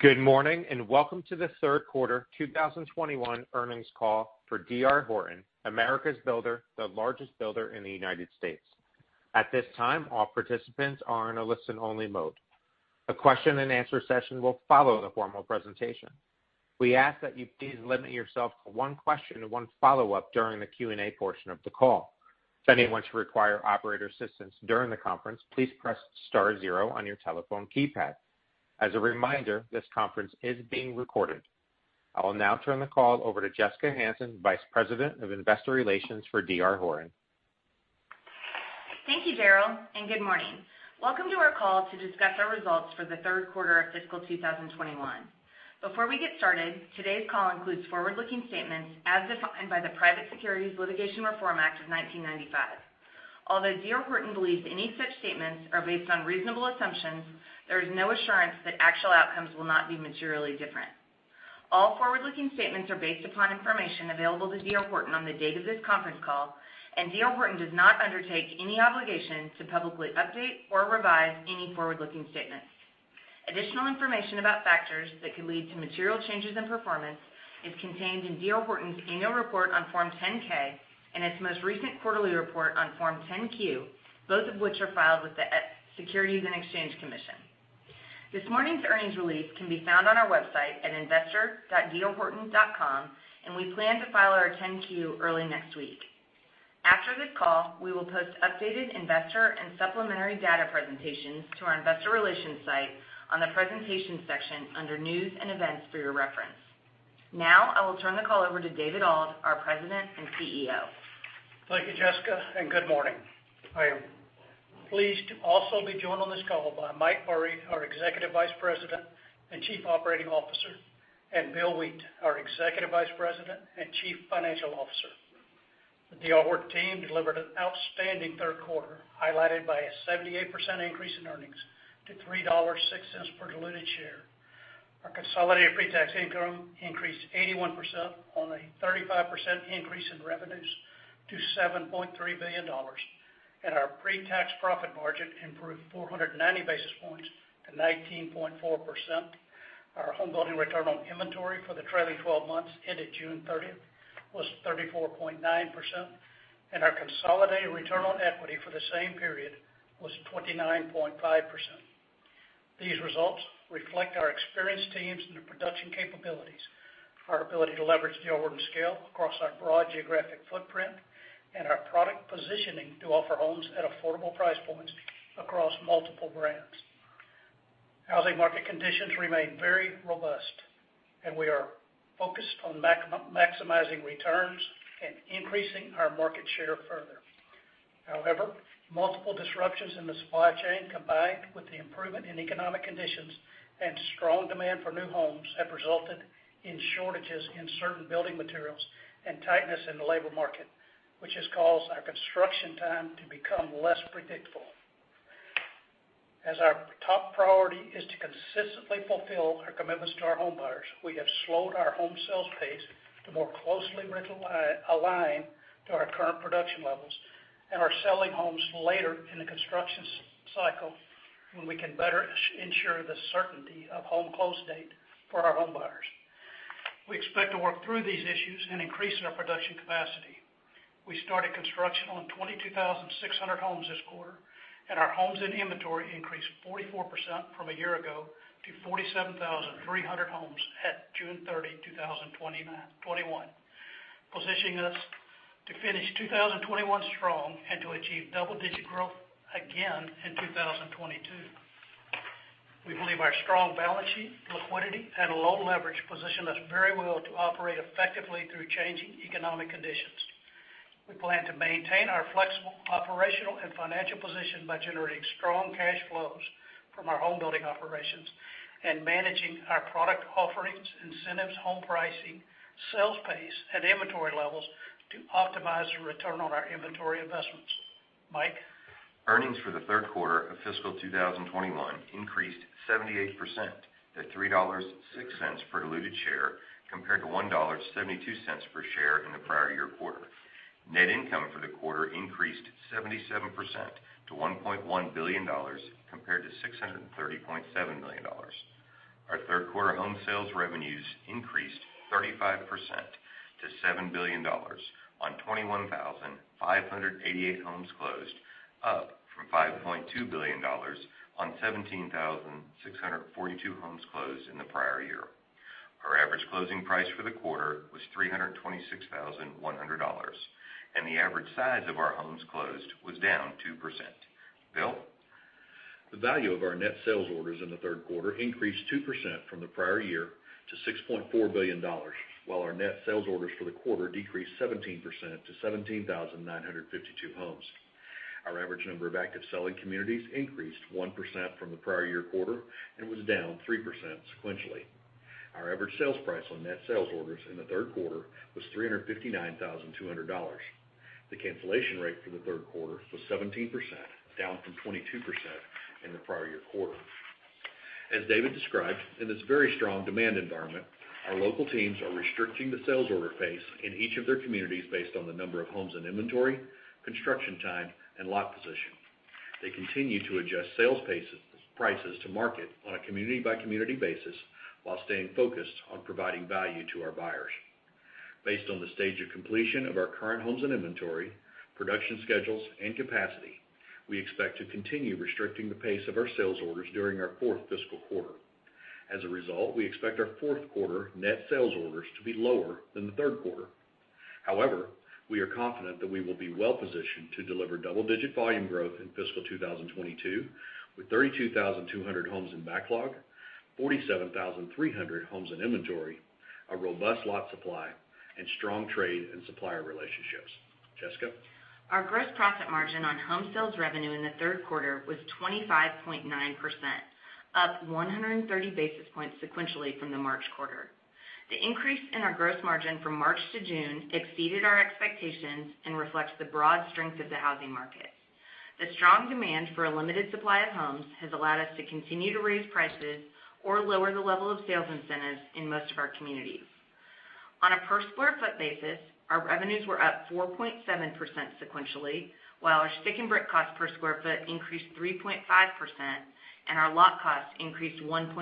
Good morning, and welcome to the Third Quarter 2021 Earnings Call for D.R. Horton, America's Builder, the largest builder in the United States. At this time, all participants are in a listen-only mode. A question and answer session will follow the formal presentation. We ask that you please limit yourself to one question and one follow-up during the Q&A portion of the call. If anyone should require operator assistance during the conference, please press star zero on your telephone keypad. As a reminder, this conference is being recorded. I will now turn the call over to Jessica Hansen, Vice President of Investor Relations for D.R. Horton. Thank you, Daryl, and good morning. Welcome to our call to discuss our results for the third quarter of fiscal 2021. Before we get started, today's call includes forward-looking statements as defined by the Private Securities Litigation Reform Act of 1995. Although D.R. Horton believes any such statements are based on reasonable assumptions, there is no assurance that actual outcomes will not be materially different. All forward-looking statements are based upon information available to D.R. Horton on the date of this conference call, and D.R. Horton does not undertake any obligation to publicly update or revise any forward-looking statements. Additional information about factors that could lead to material changes in performance is contained in D.R. Horton's annual report on Form 10-K and its most recent quarterly report on Form 10-Q, both of which are filed with the Securities and Exchange Commission. This morning's earnings release can be found on our website at investor.drhorton.com, and we plan to file our 10-Q early next week. After this call, we will post updated investor and supplementary data presentations to our investor relations site on the presentations section under news and events for your reference. Now, I will turn the call over to David Auld, our President and CEO. Thank you, Jessica, and good morning. I am pleased to also be joined on this call by Mike Murray, our Executive Vice President and Chief Operating Officer, and Bill Wheat, our Executive Vice President and Chief Financial Officer. The D.R. Horton team delivered an outstanding third quarter, highlighted by a 78% increase in earnings to $3.06 per diluted share. Our consolidated pretax income increased 81% on a 35% increase in revenues to $7.3 billion, and our pretax profit margin improved 490 basis points to 19.4%. Our homebuilding return on inventory for the trailing 12 months ended June 30th was 34.9%, and our consolidated return on equity for the same period was 29.5%. These results reflect our experienced teams and their production capabilities, our ability to leverage D.R. Horton scale across our broad geographic footprint, and our product positioning to offer homes at affordable price points across multiple brands. Housing market conditions remain very robust, and we are focused on maximizing returns and increasing our market share further. However, multiple disruptions in the supply chain, combined with the improvement in economic conditions and strong demand for new homes, have resulted in shortages in certain building materials and tightness in the labor market, which has caused our construction time to become less predictable. As our top priority is to consistently fulfill our commitments to our homebuyers, we have slowed our home sales pace to more closely align to our current production levels and are selling homes later in the construction cycle when we can better ensure the certainty of home close date for our homebuyers. We expect to work through these issues and increase our production capacity. We started construction on 22,600 homes this quarter, and our homes in inventory increased 44% from a year ago to 47,300 homes at June 30, 2021, positioning us to finish 2021 strong and to achieve double-digit growth again in 2022. We believe our strong balance sheet, liquidity, and low leverage position us very well to operate effectively through changing economic conditions. We plan to maintain our flexible operational and financial position by generating strong cash flows from our homebuilding operations and managing our product offerings, incentives, home pricing, sales pace, and inventory levels to optimize the return on our inventory investments. Mike? Earnings for the third quarter of fiscal 2021 increased 78% to $3.06 per diluted share, compared to $1.72 per share in the prior year quarter. Net income for the quarter increased 77% to $1.1 billion, compared to $630.7 million. Our third quarter home sales revenues increased 35% to $7 billion on 21,588 homes closed, up from $5.2 billion on 17,642 homes closed in the prior year. Our average closing price for the quarter was $326,100, and the average size of our homes closed was down 2%. Bill? The value of our net sales orders in the third quarter increased 2% from the prior year to $6.4 billion, while our net sales orders for the quarter decreased 17% to 17,952 homes. Our average number of active selling communities increased 1% from the prior year quarter and was down 3% sequentially. Our average sales price on net sales orders in the third quarter was $359,200. The cancellation rate for the third quarter was 17%, down from 22% in the prior year quarter. As David described, in this very strong demand environment, our local teams are restricting the sales order pace in each of their communities based on the number of homes and inventory, construction time, and lot position. They continue to adjust sales prices to market on a community-by-community basis while staying focused on providing value to our buyers. Based on the stage of completion of our current homes and inventory, production schedules, and capacity, we expect to continue restricting the pace of our sales orders during our fourth fiscal quarter. As a result, we expect our fourth quarter net sales orders to be lower than the third quarter. However, we are confident that we will be well-positioned to deliver double-digit volume growth in fiscal 2022, with 32,200 homes in backlog, 47,300 homes in inventory, a robust lot supply, and strong trade and supplier relationships. Jessica? Our gross profit margin on home sales revenue in the third quarter was 25.9%, up 130 basis points sequentially from the March quarter. The increase in our gross margin from March to June exceeded our expectations and reflects the broad strength of the housing market. The strong demand for a limited supply of homes has allowed us to continue to raise prices or lower the level of sales incentives in most of our communities. On a per square foot basis, our revenues were up 4.7% sequentially, while our stick and brick cost per square foot increased 3.5%, and our lot costs increased 1.7%.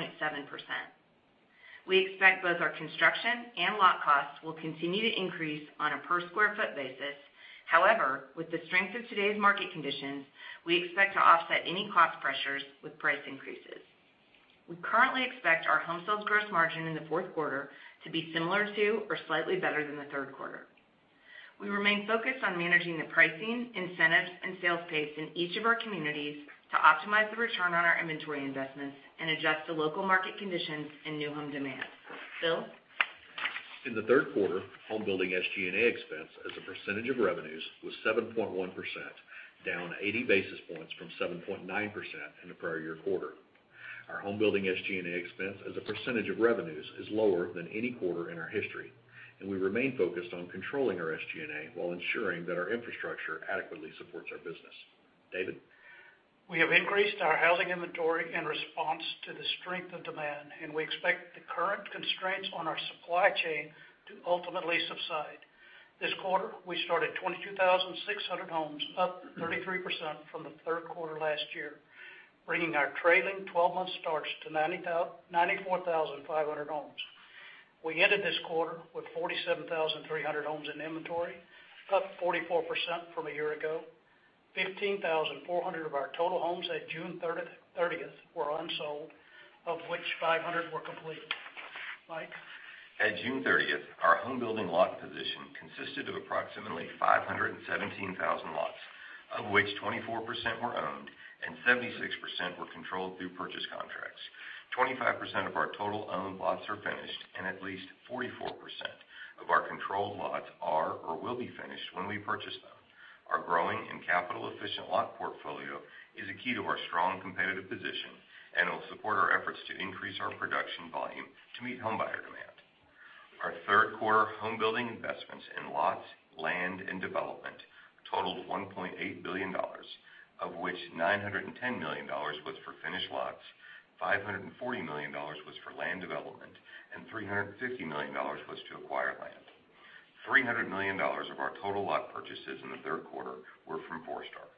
We expect both our construction and lot costs will continue to increase on a per square foot basis. However, with the strength of today's market conditions, we expect to offset any cost pressures with price increases. We currently expect our home sales gross margin in the fourth quarter to be similar to or slightly better than the third quarter. We remain focused on managing the pricing, incentives, and sales pace in each of our communities to optimize the return on our inventory investments and adjust to local market conditions and new home demand. Bill? In the third quarter, home building SG&A expense as a percentage of revenues was 7.1%, down 80 basis points from 7.9% in the prior year quarter. Our home building SG&A expense as a percentage of revenues is lower than any quarter in our history, and we remain focused on controlling our SG&A while ensuring that our infrastructure adequately supports our business. David? We have increased our housing inventory in response to the strength of demand, and we expect the current constraints on our supply chain to ultimately subside. This quarter, we started 22,600 homes, up 33% from the third quarter last year, bringing our trailing 12-month starts to 94,500 homes. We ended this quarter with 47,300 homes in inventory, up 44% from a year ago, 15,400 of our total homes at June 30th were unsold, of which 500 were complete. Mike? At June 30th, our home building lot position consisted of approximately 517,000 lots, of which 24% were owned and 76% were controlled through purchase contracts. 25% of our total owned lots are finished, and at least 44% of our controlled lots are or will be finished when we purchase them. Our growing and capital-efficient lot portfolio is a key to our strong competitive position and will support our efforts to increase our production volume to meet homebuyer demand. Our third quarter home building investments in lots, land, and development totaled $1.8 billion, of which $910 million was for finished lots, $540 million was for land development, and $350 million was to acquire land. $300 million of our total lot purchases in the third quarter were from Forestar.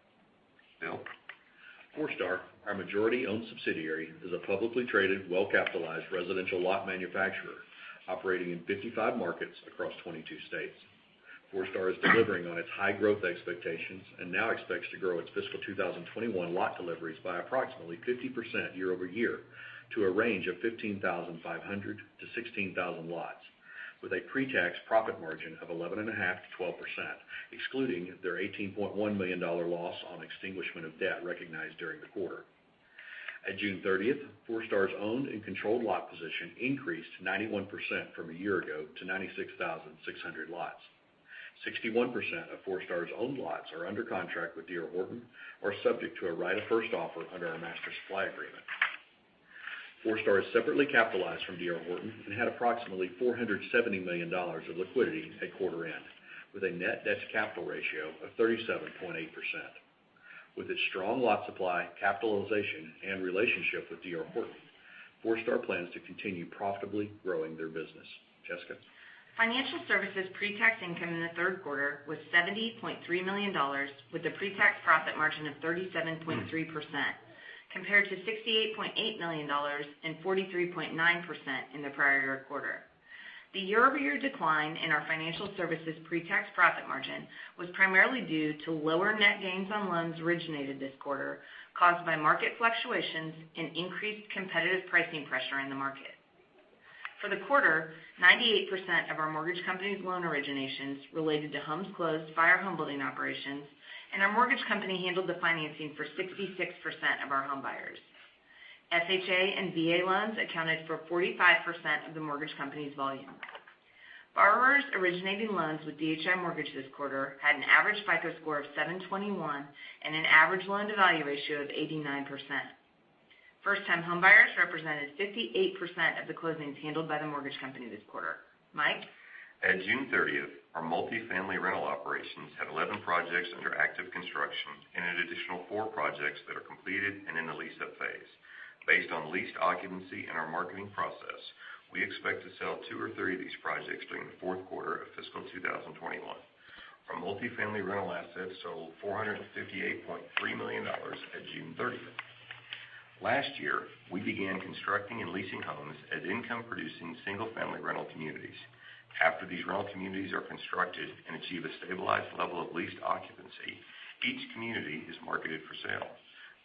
Bill? Forestar, our majority-owned subsidiary, is a publicly traded, well-capitalized residential lot manufacturer operating in 55 markets across 22 states. Forestar is delivering on its high growth expectations and now expects to grow its fiscal 2021 lot deliveries by approximately 50% year-over-year to a range of 15,500-16,000 lots, with a pre-tax profit margin of 11.5%-12%, excluding their $18.1 million loss on extinguishment of debt recognized during the quarter. At June 30th, Forestar's owned and controlled lot position increased 91% from a year ago to 96,600 lots. 61% of Forestar's owned lots are under contract with D.R. Horton or subject to a right of first offer under our master supply agreement. Forestar is separately capitalized from D.R. Horton and had approximately $470 million of liquidity at quarter end, with a net debt-to-capital ratio of 37.8%. With its strong lot supply, capitalization, and relationship with D.R. Horton, Forestar plans to continue profitably growing their business. Jessica? Financial services pre-tax income in the third quarter was $70.3 million, with a pre-tax profit margin of 37.3%, compared to $68.8 million and 43.9% in the prior year quarter. The year-over-year decline in our financial services pre-tax profit margin was primarily due to lower net gains on loans originated this quarter, caused by market fluctuations and increased competitive pricing pressure in the market. For the quarter, 98% of our mortgage company's loan originations related to homes closed by our home building operations, and our mortgage company handled the financing for 66% of our home buyers. FHA and VA loans accounted for 45% of the mortgage company's volume. Borrowers originating loans with DHI Mortgage this quarter had an average FICO score of 721 and an average loan-to-value ratio of 89%. First-time homebuyers represented 58% of the closings handled by the mortgage company this quarter. Mike At June 30th, our multifamily rental operations had 11 projects under active construction and an additional four projects that are completed and in the lease-up phase. Based on leased occupancy and our marketing process, we expect to sell two or three of these projects during the fourth quarter of fiscal 2021. Our multifamily rental assets sold $458.3 million at June 30th. Last year, we began constructing and leasing homes as income-producing single-family rental communities. After these rental communities are constructed and achieve a stabilized level of leased occupancy, each community is marketed for sale.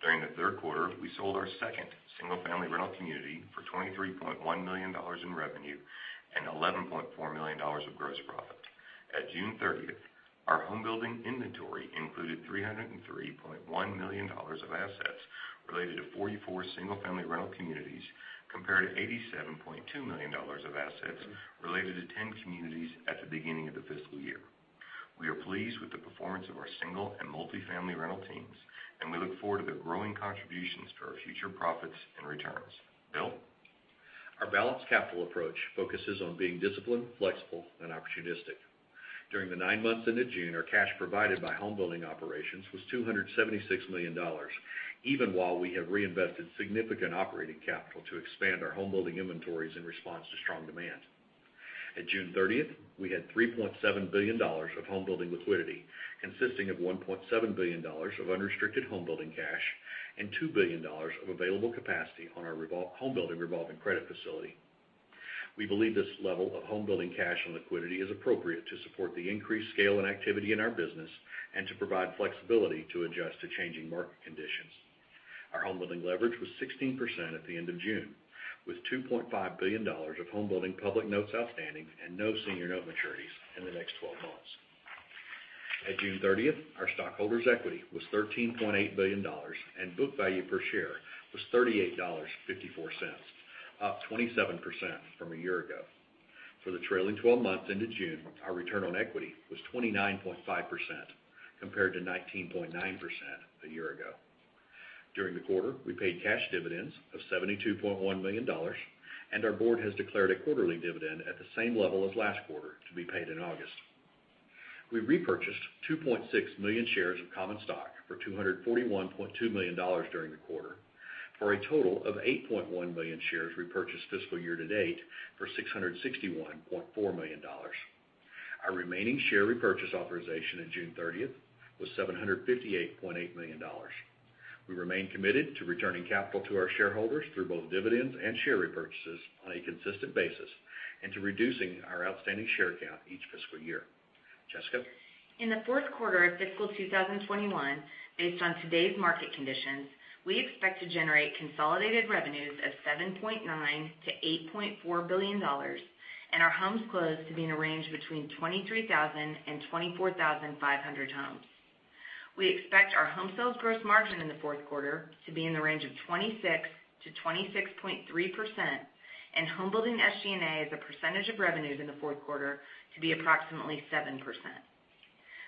During the third quarter, we sold our second single-family rental community for $23.1 million in revenue and $11.4 million of gross profit. At June 30th, our homebuilding inventory included $303.1 million of assets related to 44 single-family rental communities, compared to $87.2 million of assets related to 10 communities at the beginning of the fiscal year. We are pleased with the performance of our single and multifamily rental teams, and we look forward to the growing contributions to our future profits and returns. Bill? Our balanced capital approach focuses on being disciplined, flexible, and opportunistic. During the nine months ended June, our cash provided by homebuilding operations was $276 million, even while we have reinvested significant operating capital to expand our homebuilding inventories in response to strong demand. At June 30th, we had $3.7 billion of homebuilding liquidity, consisting of $1.7 billion of unrestricted homebuilding cash and $2 billion of available capacity on our homebuilding revolving credit facility. We believe this level of homebuilding cash and liquidity is appropriate to support the increased scale and activity in our business and to provide flexibility to adjust to changing market conditions. Our homebuilding leverage was 16% at the end of June, with $2.5 billion of homebuilding public notes outstanding and no senior note maturities in the next 12 months. At June 30th, our stockholders' equity was $13.8 billion, and book value per share was $38.54, up 27% from a year ago. For the trailing 12 months into June, our return on equity was 29.5%, compared to 19.9% a year ago. During the quarter, we paid cash dividends of $72.1 million, and our board has declared a quarterly dividend at the same level as last quarter to be paid in August. We repurchased 2.6 million shares of common stock for $241.2 million during the quarter for a total of 8.1 million shares repurchased fiscal year to date for $661.4 million. Our remaining share repurchase authorization on June 30th was $758.8 million. We remain committed to returning capital to our shareholders through both dividends and share repurchases on a consistent basis and to reducing our outstanding share count each fiscal year. Jessica? In the fourth quarter of fiscal 2021, based on today's market conditions, we expect to generate consolidated revenues of $7.9 billion-$8.4 billion and our homes closed to be in a range between 23,000 and 24,500 homes. We expect our home sales gross margin in the fourth quarter to be in the range of 26%-26.3%, and homebuilding SG&A as a percentage of revenues in the fourth quarter to be approximately 7%.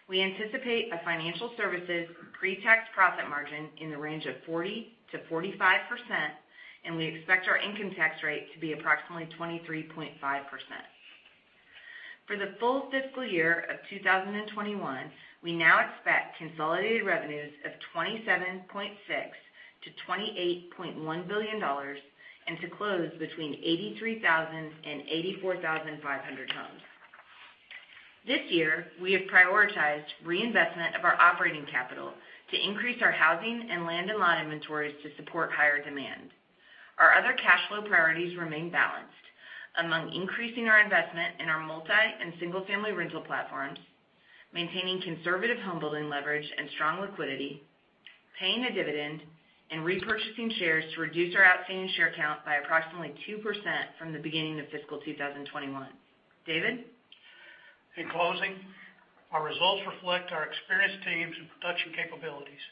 We anticipate a financial services pre-tax profit margin in the range of 40%-45%, and we expect our income tax rate to be approximately 23.5%. For the full fiscal year of 2021, we now expect consolidated revenues of $27.6 billion-$28.1 billion and to close between 83,000 and 84,500 homes. This year, we have prioritized reinvestment of our operating capital to increase our housing and land and lot inventories to support higher demand. Our other cash flow priorities remain balanced, among increasing our investment in our multi and single-family rental platforms, maintaining conservative homebuilding leverage and strong liquidity, paying a dividend, and repurchasing shares to reduce our outstanding share count by approximately 2% from the beginning of fiscal 2021. David? In closing, our results reflect our experienced teams and production capabilities,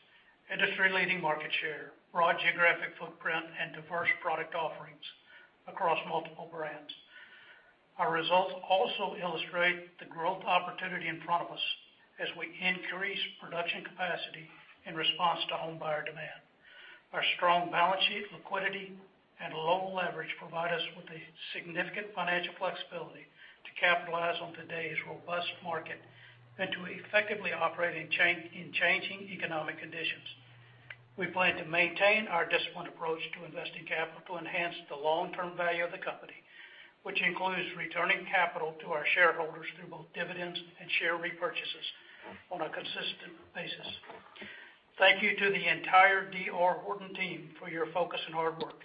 industry-leading market share, broad geographic footprint, and diverse product offerings across multiple brands. Our results also illustrate the growth opportunity in front of us as we increase production capacity in response to homebuyer demand. Our strong balance sheet liquidity and low leverage provide us with a significant financial flexibility to capitalize on today's robust market and to effectively operate in changing economic conditions. We plan to maintain our disciplined approach to investing capital to enhance the long-term value of the company, which includes returning capital to our shareholders through both dividends and share repurchases on a consistent basis. Thank you to the entire D.R. Horton team for your focus and hard work.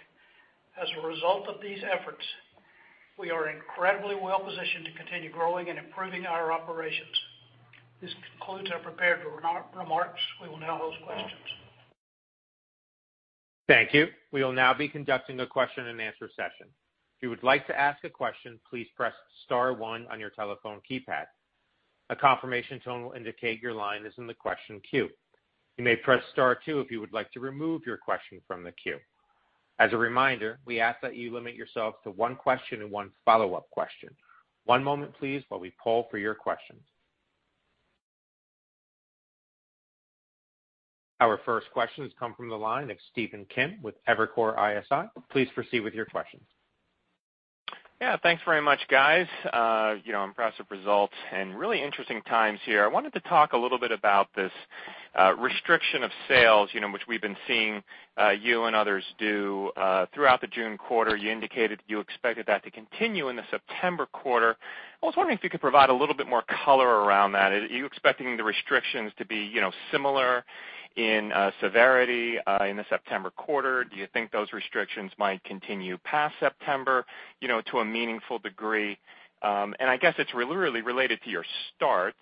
As a result of these efforts, we are incredibly well-positioned to continue growing and improving our operations. This concludes our prepared remarks. We will now host questions. Thank you. We will now be conducting a question-and-answer session. If you would like to ask a question, please press star one on your telephone keypad. A confirmation tone will indicate your line is in the question queue. You may press star two if you would like to remove your question from the queue. As a reminder, we ask that you limit yourself to one question and one follow-up question. One moment please while we poll for your questions. Our first question has come from the line of Stephen Kim with Evercore ISI. Please proceed with your question. Yeah. Thanks very much, guys. Impressive results and really interesting times here. I wanted to talk a little bit about this restriction of sales, which we've been seeing you and others do throughout the June quarter. You indicated you expected that to continue in the September quarter. I was wondering if you could provide a little bit more color around that. Are you expecting the restrictions to be similar in severity in the September quarter? Do you think those restrictions might continue past September to a meaningful degree? I guess it's really related to your starts.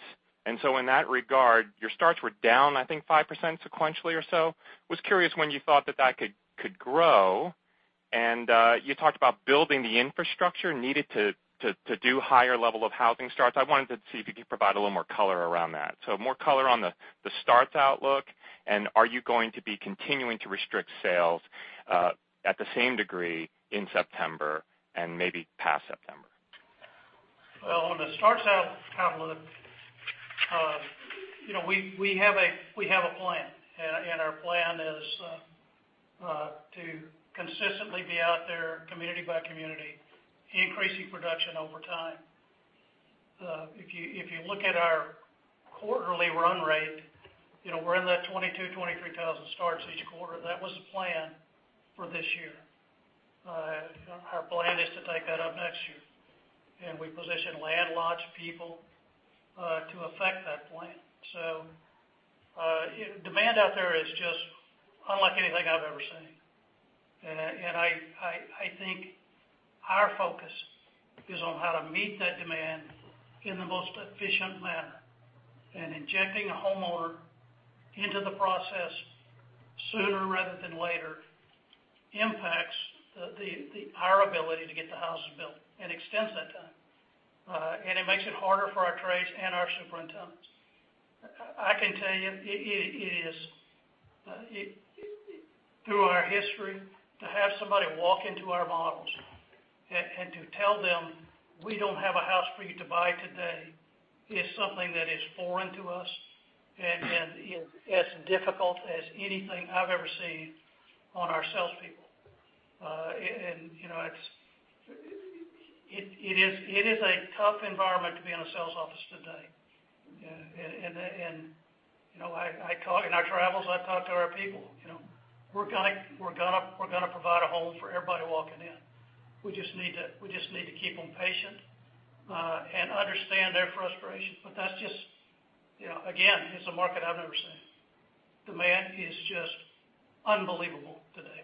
In that regard, your starts were down, I think 5% sequentially or so. Was curious when you thought that that could grow. You talked about building the infrastructure needed to do higher level of housing starts. I wanted to see if you could provide a little more color around that. More color on the starts outlook, and are you going to be continuing to restrict sales at the same degree in September and maybe past September? On the starts outlook, we have a plan. Our plan is to consistently be out there community by community, increasing production over time. If you look at our quarterly run rate, we're in that 22,000, 23,000 starts each quarter. That was the plan for this year. Our plan is to take that up next year, and we position land, lots, people, to affect that plan. Demand out there is just unlike anything I've ever seen. I think our focus is on how to meet that demand in the most efficient manner. Injecting a homeowner into the process sooner rather than later impacts our ability to get the houses built and extends that time. It makes it harder for our trades and our superintendents. I can tell you, through our history, to have somebody walk into our models and to tell them, "We don't have a house for you to buy today," is something that is foreign to us and is as difficult as anything I've ever seen on our salespeople. It is a tough environment to be in a sales office today. In our travels, I talk to our people. We're going to provide a home for everybody walking in. We just need to keep them patient, and understand their frustration. That's just, again, it's a market I've never seen. Demand is just unbelievable today.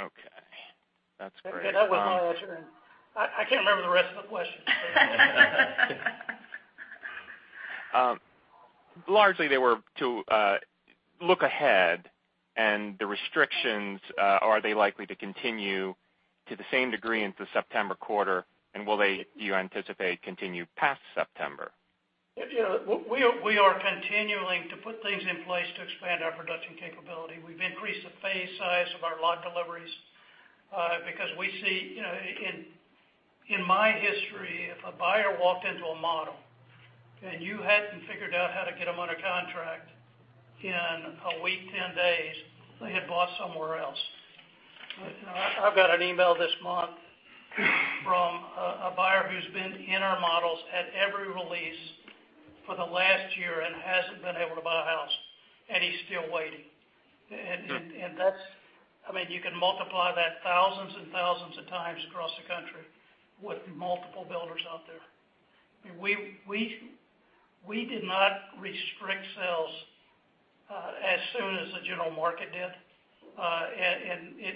Okay. That's great. That was my answer, and I can't remember the rest of the question. Largely, they were to look ahead and the restrictions, are they likely to continue to the same degree into September quarter, and will they, do you anticipate, continue past September? We are continuing to put things in place to expand our production capability. We've increased the phase size of our lot deliveries, because we see, in my history, if a buyer walked into a model and you hadn't figured out how to get them under contract in a week, 10 days, they had bought somewhere else. I've got an email this month from a buyer who's been in our models at every release for the last year and hasn't been able to buy a house, and he's still waiting. You can multiply that thousands and thousands of times across the country with multiple builders out there. We did not restrict sales as soon as the general market did,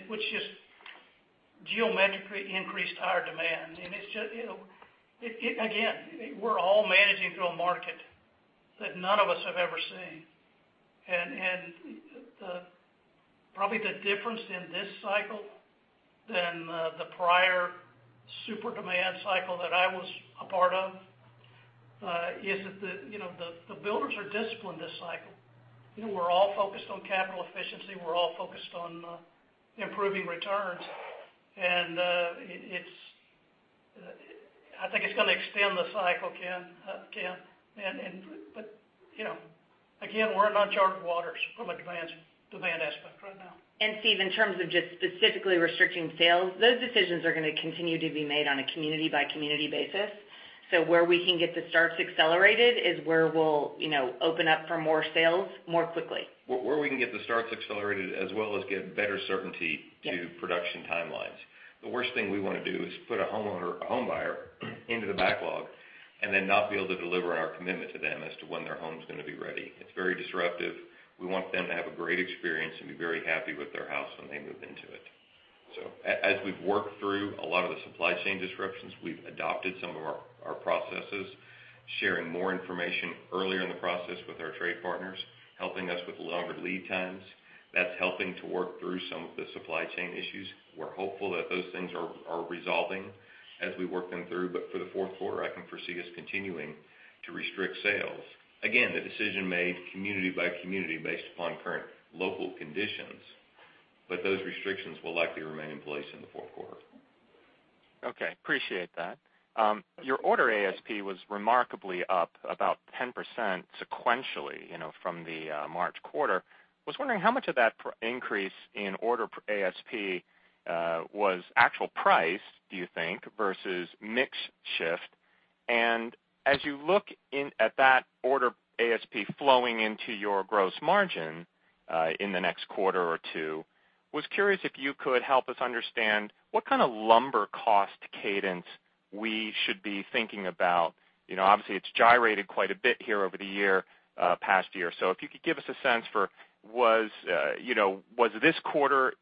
which just geometrically increased our demand. Again, we're all managing through a market that none of us have ever seen. Probably the difference in this cycle than the prior super demand cycle that I was a part of, is that the builders are disciplined this cycle. We're all focused on capital efficiency. We're all focused on improving returns. I think it's going to extend the cycle, Ken. Again, we're in uncharted waters from a demand aspect right now. Steve, in terms of just specifically restricting sales, those decisions are going to continue to be made on a community-by-community basis. Where we can get the starts accelerated is where we'll open up for more sales more quickly. Where we can get the starts accelerated as well as get better certainty. Yeah to production timelines. The worst thing we want to do is put a one homebuyer into the backlog and then not be able to deliver on our commitment to them as to when their home's going to be ready. It's very disruptive. We want them to have a great experience and be very happy with their house when they move into it. As we've worked through a lot of the supply chain disruptions, we've adopted some of our processes, sharing more information earlier in the process with our trade partners, helping us with longer lead times. That's helping to work through some of the supply chain issues. We're hopeful that those things are resolving as we work them through. For the fourth quarter, I can foresee us continuing to restrict sales. Again, the decision made community by community based upon current local conditions. Those restrictions will likely remain in place in the fourth quarter. Okay, appreciate that. Your order ASP was remarkably up about 10% sequentially from the March quarter. I was wondering how much of that increase in order ASP was actual price, do you think, versus mix shift? As you look at that order ASP flowing into your gross margin in the next quarter or two, I was curious if you could help us understand what kind of lumber cost cadence we should be thinking about. Obviously, it's gyrated quite a bit here over the past year. If you could give us a sense for, was this quarter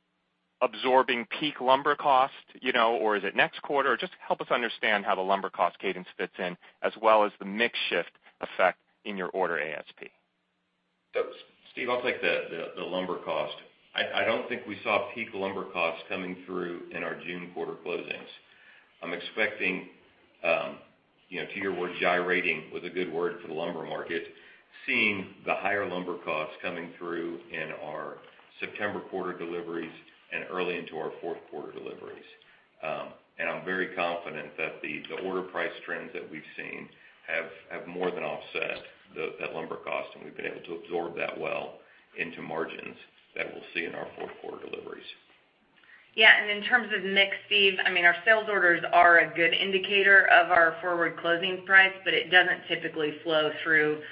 absorbing peak lumber cost, or is it next quarter? Just help us understand how the lumber cost cadence fits in as well as the mix shift effect in your order ASP. Steve, I'll take the lumber cost. I don't think we saw peak lumber costs coming through in our June quarter closings. I'm expecting, to your word, gyrating was a good word for the lumber market, seeing the higher lumber costs coming through in our September quarter deliveries and early into our fourth-quarter deliveries. I'm very confident that the order price trends that we've seen have more than offset that lumber cost, and we've been able to absorb that well into margins that we'll see in our fourth quarter deliveries. Yeah, and in terms of mix, Steve, our sales orders are a good indicator of our forward closing price, but it doesn't typically flow through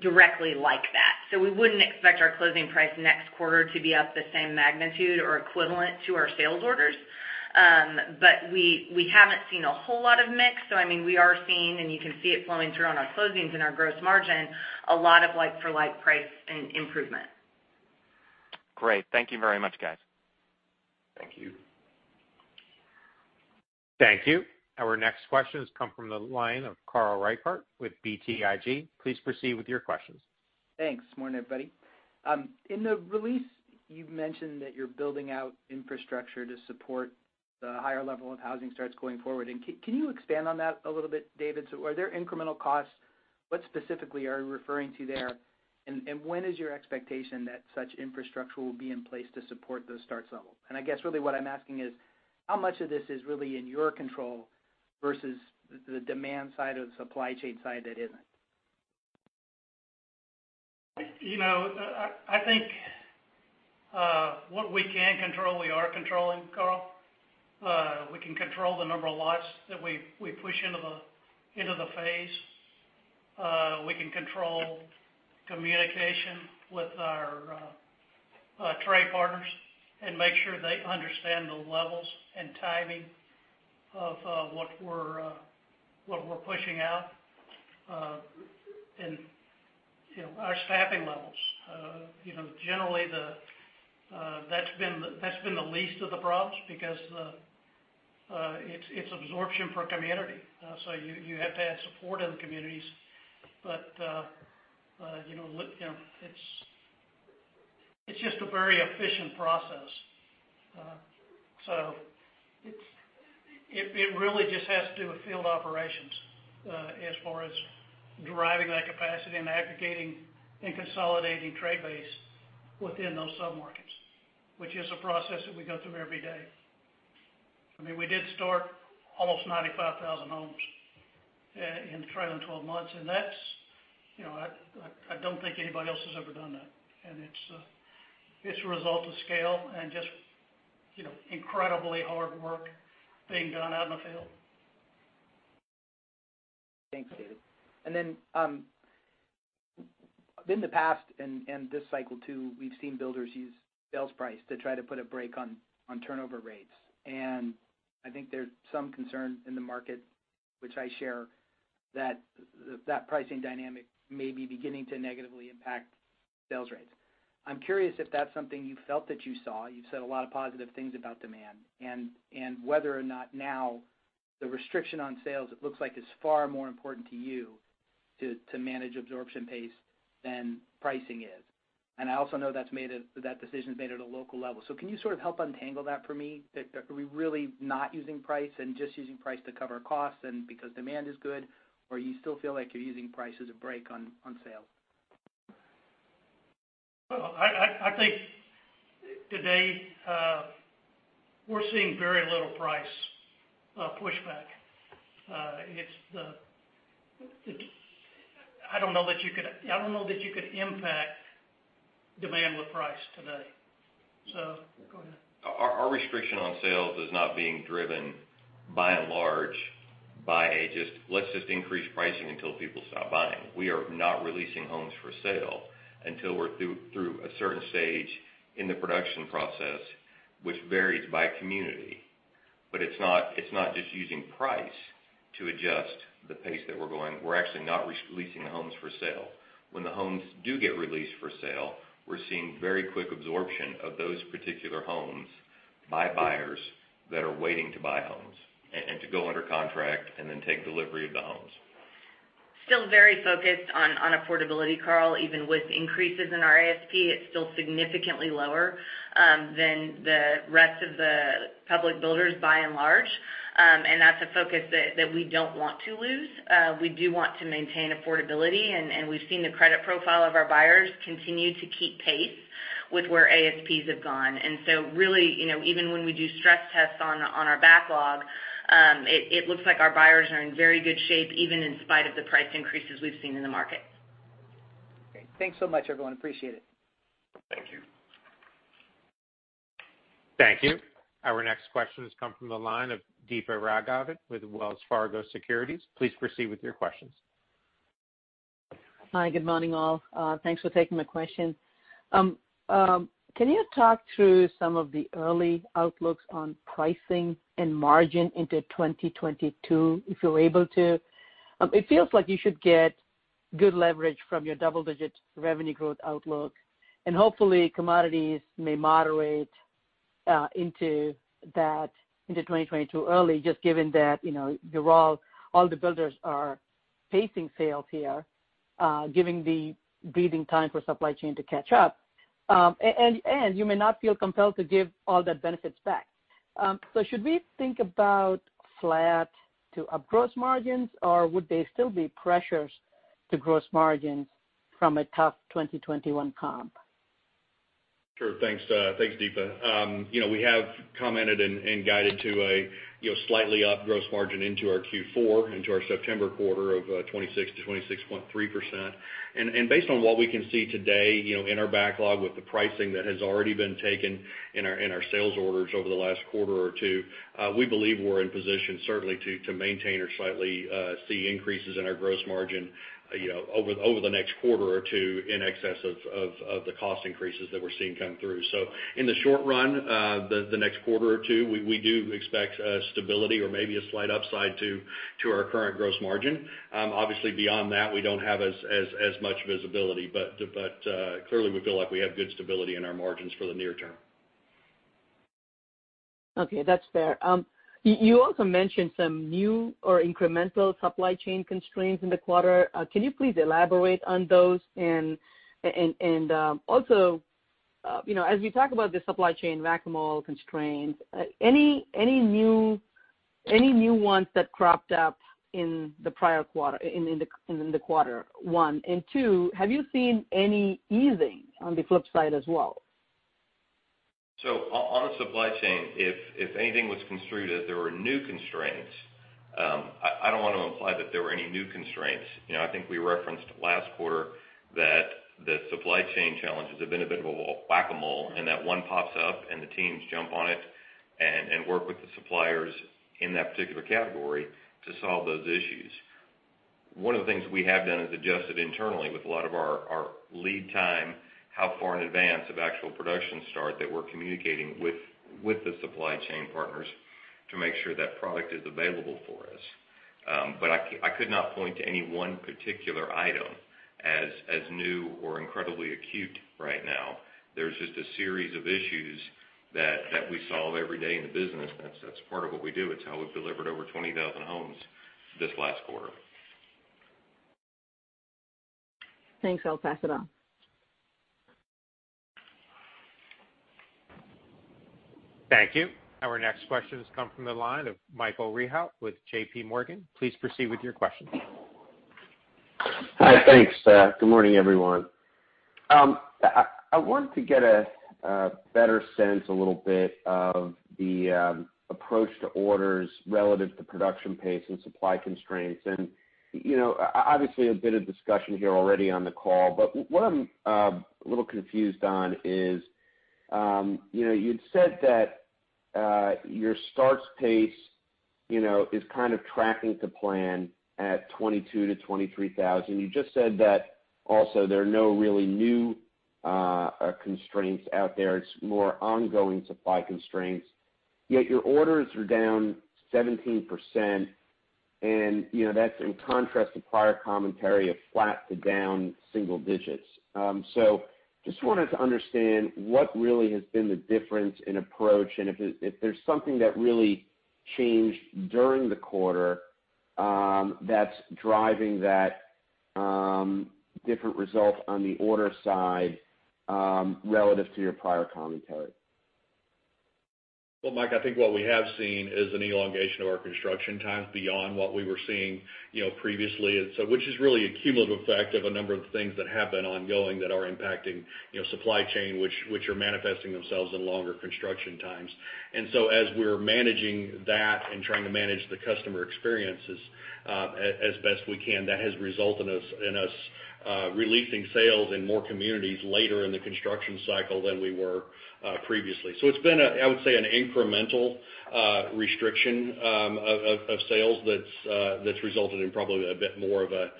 directly like that. We wouldn't expect our closing price next quarter to be up the same magnitude or equivalent to our sales orders. We haven't seen a whole lot of mix, so we are seeing, and you can see it flowing through on our closings and our gross margin, a lot of like for like price and improvement. Great. Thank you very much, guys. Thank you. Thank you. Our next question has come from the line of Carl Reichardt with BTIG. Please proceed with your questions. Thanks. Morning, everybody. In the release, you've mentioned that you're building out infrastructure to support the higher level of housing starts going forward. Can you expand on that a little bit, David? Are there incremental costs? What specifically are you referring to there? When is your expectation that such infrastructure will be in place to support those start levels? I guess really what I'm asking is, how much of this is really in your control versus the demand side or the supply chain side that isn't? I think what we can control, we are controlling, Carl. We can control the number of lots that we push into the phase. We can control communication with our trade partners and make sure they understand the levels and timing of what we're pushing out, and our staffing levels. Generally, that's been the least of the problems because it's absorption for a community. You have to have support in the communities. It's just a very efficient process. It really just has to do with field operations as far as driving that capacity and aggregating and consolidating trade base within those sub-markets, which is a process that we go through every day. We did start almost 95,000 homes in the trailing 12 months, and I don't think anybody else has ever done that. It's a result of scale and just incredibly hard work being done out in the field. Thanks, David. In the past, and this cycle too, we've seen builders use sales price to try to put a brake on turnover rates. I think there's some concern in the market, which I share, that that pricing dynamic may be beginning to negatively impact sales rates. I'm curious if that's something you felt that you saw. You've said a lot of positive things about demand, and whether or not now the restriction on sales it looks like is far more important to you to manage absorption pace than pricing is. I also know that decision is made at a local level. Can you sort of help untangle that for me? Are we really not using price and just using price to cover costs and because demand is good, or you still feel like you're using price as a brake on sales? I think today we're seeing very little price pushback. I don't know that you could impact demand with price today. Go ahead. Our restriction on sales is not being driven by and large by a just, "Let's just increase pricing until people stop buying." We are not releasing homes for sale until we're through a certain stage in the production process, which varies by community. It's not just using price to adjust the pace that we're going. We're actually not releasing the homes for sale. When the homes do get released for sale, we're seeing very quick absorption of those particular homes by buyers that are waiting to buy homes, and to go under contract, and then take delivery of the homes. Still very focused on affordability, Carl. Even with increases in our ASP, it's still significantly lower than the rest of the public builders by and large a focus that we don't want to lose. We do want to maintain affordability, and we've seen the credit profile of our buyers continue to keep pace with where ASPs have gone. Really, even when we do stress tests on our backlog, it looks like our buyers are in very good shape, even in spite of the price increases we've seen in the market. Great. Thanks so much, everyone. Appreciate it. Thank you. Thank you. Our next question has come from the line of Deepa Raghavan with Wells Fargo Securities. Please proceed with your questions. Hi. Good morning, all. Thanks for taking my question. Can you talk through some of the early outlooks on pricing and margin into 2022, if you're able to? It feels like you should get good leverage from your double-digit revenue growth outlook. Hopefully, commodities may moderate into 2022 early, just given that all the builders are pacing sales here, giving the breathing time for supply chain to catch up. You may not feel compelled to give all that benefits back. Should we think about flat to up gross margins, or would they still be pressures to gross margins from a tough 2021 comp? Sure. Thanks, Deepa. We have commented and guided to a slightly up gross margin into our Q4, into our September quarter of 26%-26.3%. Based on what we can see today in our backlog with the pricing that has already been taken in our sales orders over the last quarter or two, we believe we're in position certainly to maintain or slightly see increases in our gross margin over the next quarter or two in excess of the cost increases that we're seeing come through. In the short run, the next quarter or two, we do expect stability or maybe a slight upside to our current gross margin. Obviously, beyond that, we don't have as much visibility, but clearly, we feel like we have good stability in our margins for the near term. Okay. That's fair. You also mentioned some new or incremental supply chain constraints in the quarter. Can you please elaborate on those? As we talk about the supply chain whack-a-mole constraints, any new ones that cropped up in the quarter, one. Two, have you seen any easing on the flip side as well? On the supply chain, if anything was construed as there were new constraints, I don't want to imply that there were any new constraints. I think we referenced last quarter that the supply chain challenges have been a bit of a whack-a-mole, and that one pops up, and the teams jump on it and work with the suppliers in that particular category to solve those issues. One of the things we have done is adjusted internally with a lot of our lead time, how far in advance of actual production start that we're communicating with the supply chain partners to make sure that product is available for us. I could not point to any one particular item as new or incredibly acute right now. There's just a series of issues that we solve every day in the business. That's part of what we do. It's how we've delivered over 20,000 homes this last quarter. Thanks. I'll pass it on. Thank you. Our next question has come from the line of Michael Rehaut with JPMorgan. Please proceed with your question. Hi. Thanks. Good morning, everyone. I wanted to get a better sense a little bit of the approach to orders relative to production pace and supply constraints. Obviously, a bit of discussion here already on the call, but what I'm a little confused on is, you'd said that your starts pace is kind of tracking to plan at 22,000-23,000. You just said that also, there are no really new constraints out there. It's more ongoing supply constraints. Yet your orders are down 17%, and that's in contrast to prior commentary of flat to down single digits. Just wanted to understand what really has been the difference in approach, and if there's something that really changed during the quarter that's driving that different result on the order side relative to your prior commentary. Well, Mike, I think what we have seen is an elongation of our construction times beyond what we were seeing previously, which is really a cumulative effect of a number of things that have been ongoing that are impacting supply chain, which are manifesting themselves in longer construction times. As we're managing that and trying to manage the customer experiences as best we can, that has resulted in us releasing sales in more communities later in the construction cycle than we were previously. It's been, I would say, an incremental restriction of sales that's resulted in probably a bit more of a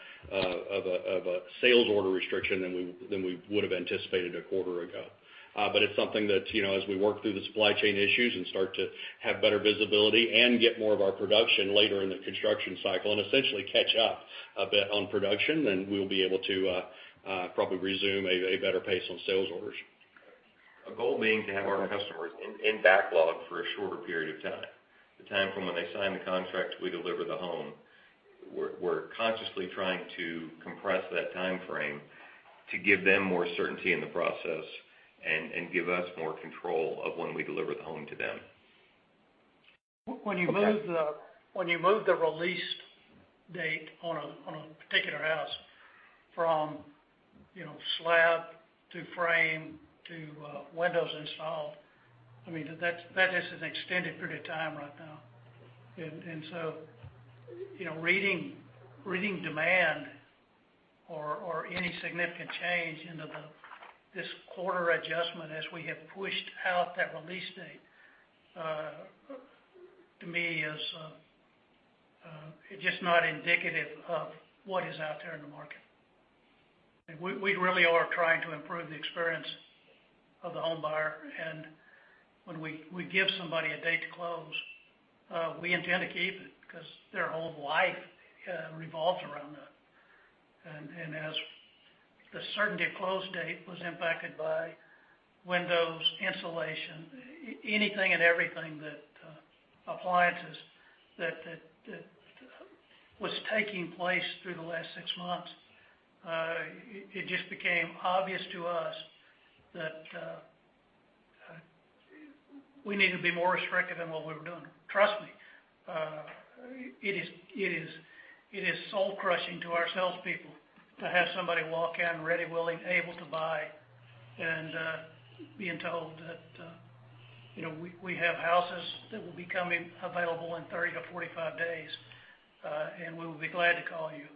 sales order restriction than we would've anticipated a quarter ago. It's something that as we work through the supply chain issues and start to have better visibility and get more of our production later in the construction cycle and essentially catch up a bit on production, then we'll be able to probably resume a better pace on sales orders. Our goal being to have our customers in backlog for a shorter period of time, the time from when they sign the contract to we deliver. We're consciously trying to compress that timeframe to give them more certainty in the process and give us more control of when we deliver the home to them. When you move the release date on a particular house from slab to frame to windows installed, that is an extended period of time right now. Reading demand or any significant change into this quarter adjustment as we have pushed out that release date, to me is just not indicative of what is out there in the market. We really are trying to improve the experience of the homebuyer, and when we give somebody a date to close, we intend to keep it because their whole life revolves around that. As the certainty of close date was impacted by windows, insulation, anything and everything that appliances, that was taking place through the last six months, it just became obvious to us that we need to be more restrictive in what we were doing. Trust me, it is soul-crushing to our salespeople to have somebody walk in ready, willing, able to buy, and being told that we have houses that will be coming available in 30 to 45 days, and we will be glad to call you.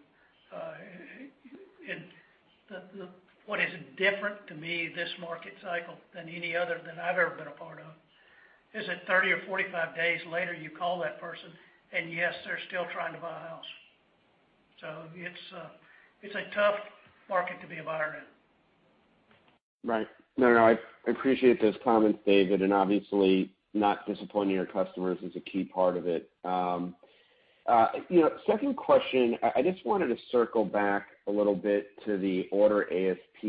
What is different to me this market cycle than any other that I've ever been a part of is that 30 or 45 days later, you call that person and yes, they're still trying to buy a house. It's a tough market to be a buyer in. Right. No, I appreciate those comments, David, and obviously not disappointing your customers is a key part of it. Second question, I just wanted to circle back a little bit to the order ASP,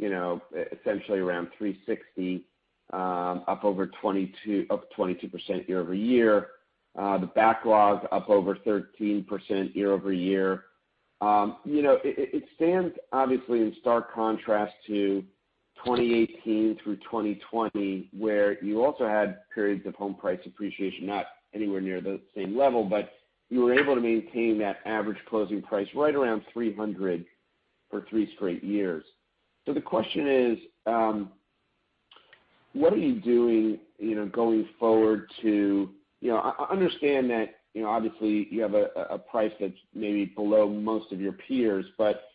essentially around $360,000, up 22% year-over-year. The backlog's up over 13% year-over-year. It stands obviously in stark contrast to 2018 through 2020, where you also had periods of home price appreciation, not anywhere near the same level, but you were able to maintain that average closing price right around $300,000 for three straight years. The question is, what are you doing going forward to. I understand that obviously you have a price that's maybe below most of your peers, but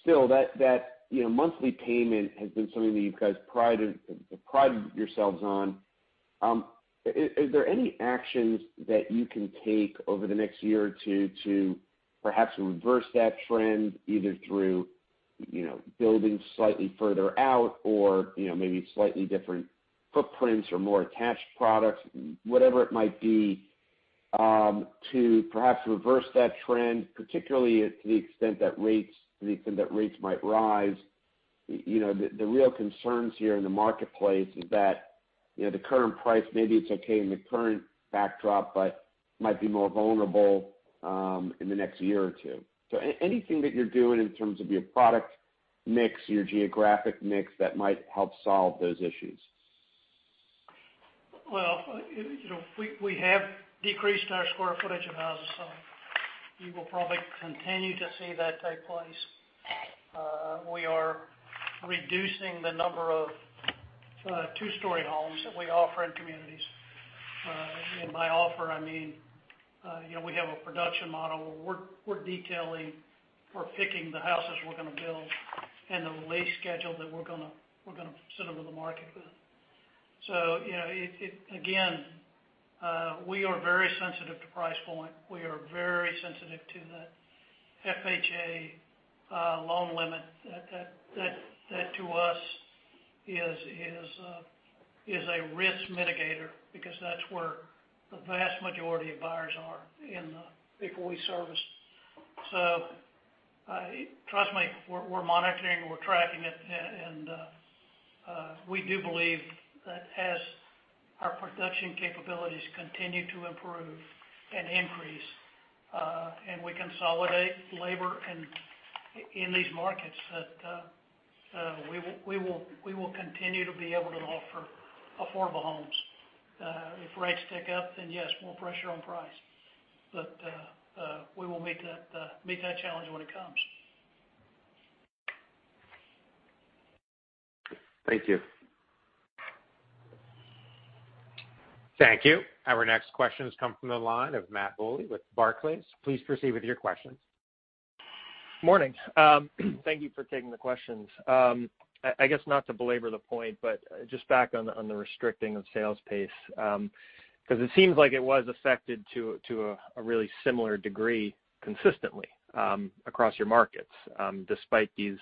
still, that monthly payment has been something that you guys prided yourselves on. Is there any actions that you can take over the next year or two to perhaps reverse that trend, either through building slightly further out or maybe slightly different footprints or more attached products, whatever it might be, to perhaps reverse that trend, particularly to the extent that rates might rise? The real concerns here in the marketplace is that the current price, maybe it's okay in the current backdrop, but might be more vulnerable in the next year or two. Anything that you're doing in terms of your product mix, your geographic mix, that might help solve those issues? Well, we have decreased our square footage of houses, you will probably continue to see that take place. We are reducing the number of two-story homes that we offer in communities. By offer, I mean we have a production model where we're detailing, we're picking the houses we're going to build and the release schedule that we're going to sit over the market with. Again, we are very sensitive to price point. We are very sensitive to that FHA loan limit. That to us is a risk mitigator because that's where the vast majority of buyers are in the people we service. Trust me, we're monitoring, we're tracking it, and we do believe that as our production capabilities continue to improve and increase, and we consolidate labor in these markets, that we will continue to be able to offer affordable homes. If rates tick up, then yes, more pressure on price, but we will meet that challenge when it comes. Thank you. Thank you. Our next question has come from the line of Matt Bouley with Barclays. Please proceed with your questions. Morning. Thank you for taking the questions. I guess not to belabor the point, but just back on the restricting of sales pace, because it seems like it was affected to a really similar degree consistently across your markets, despite these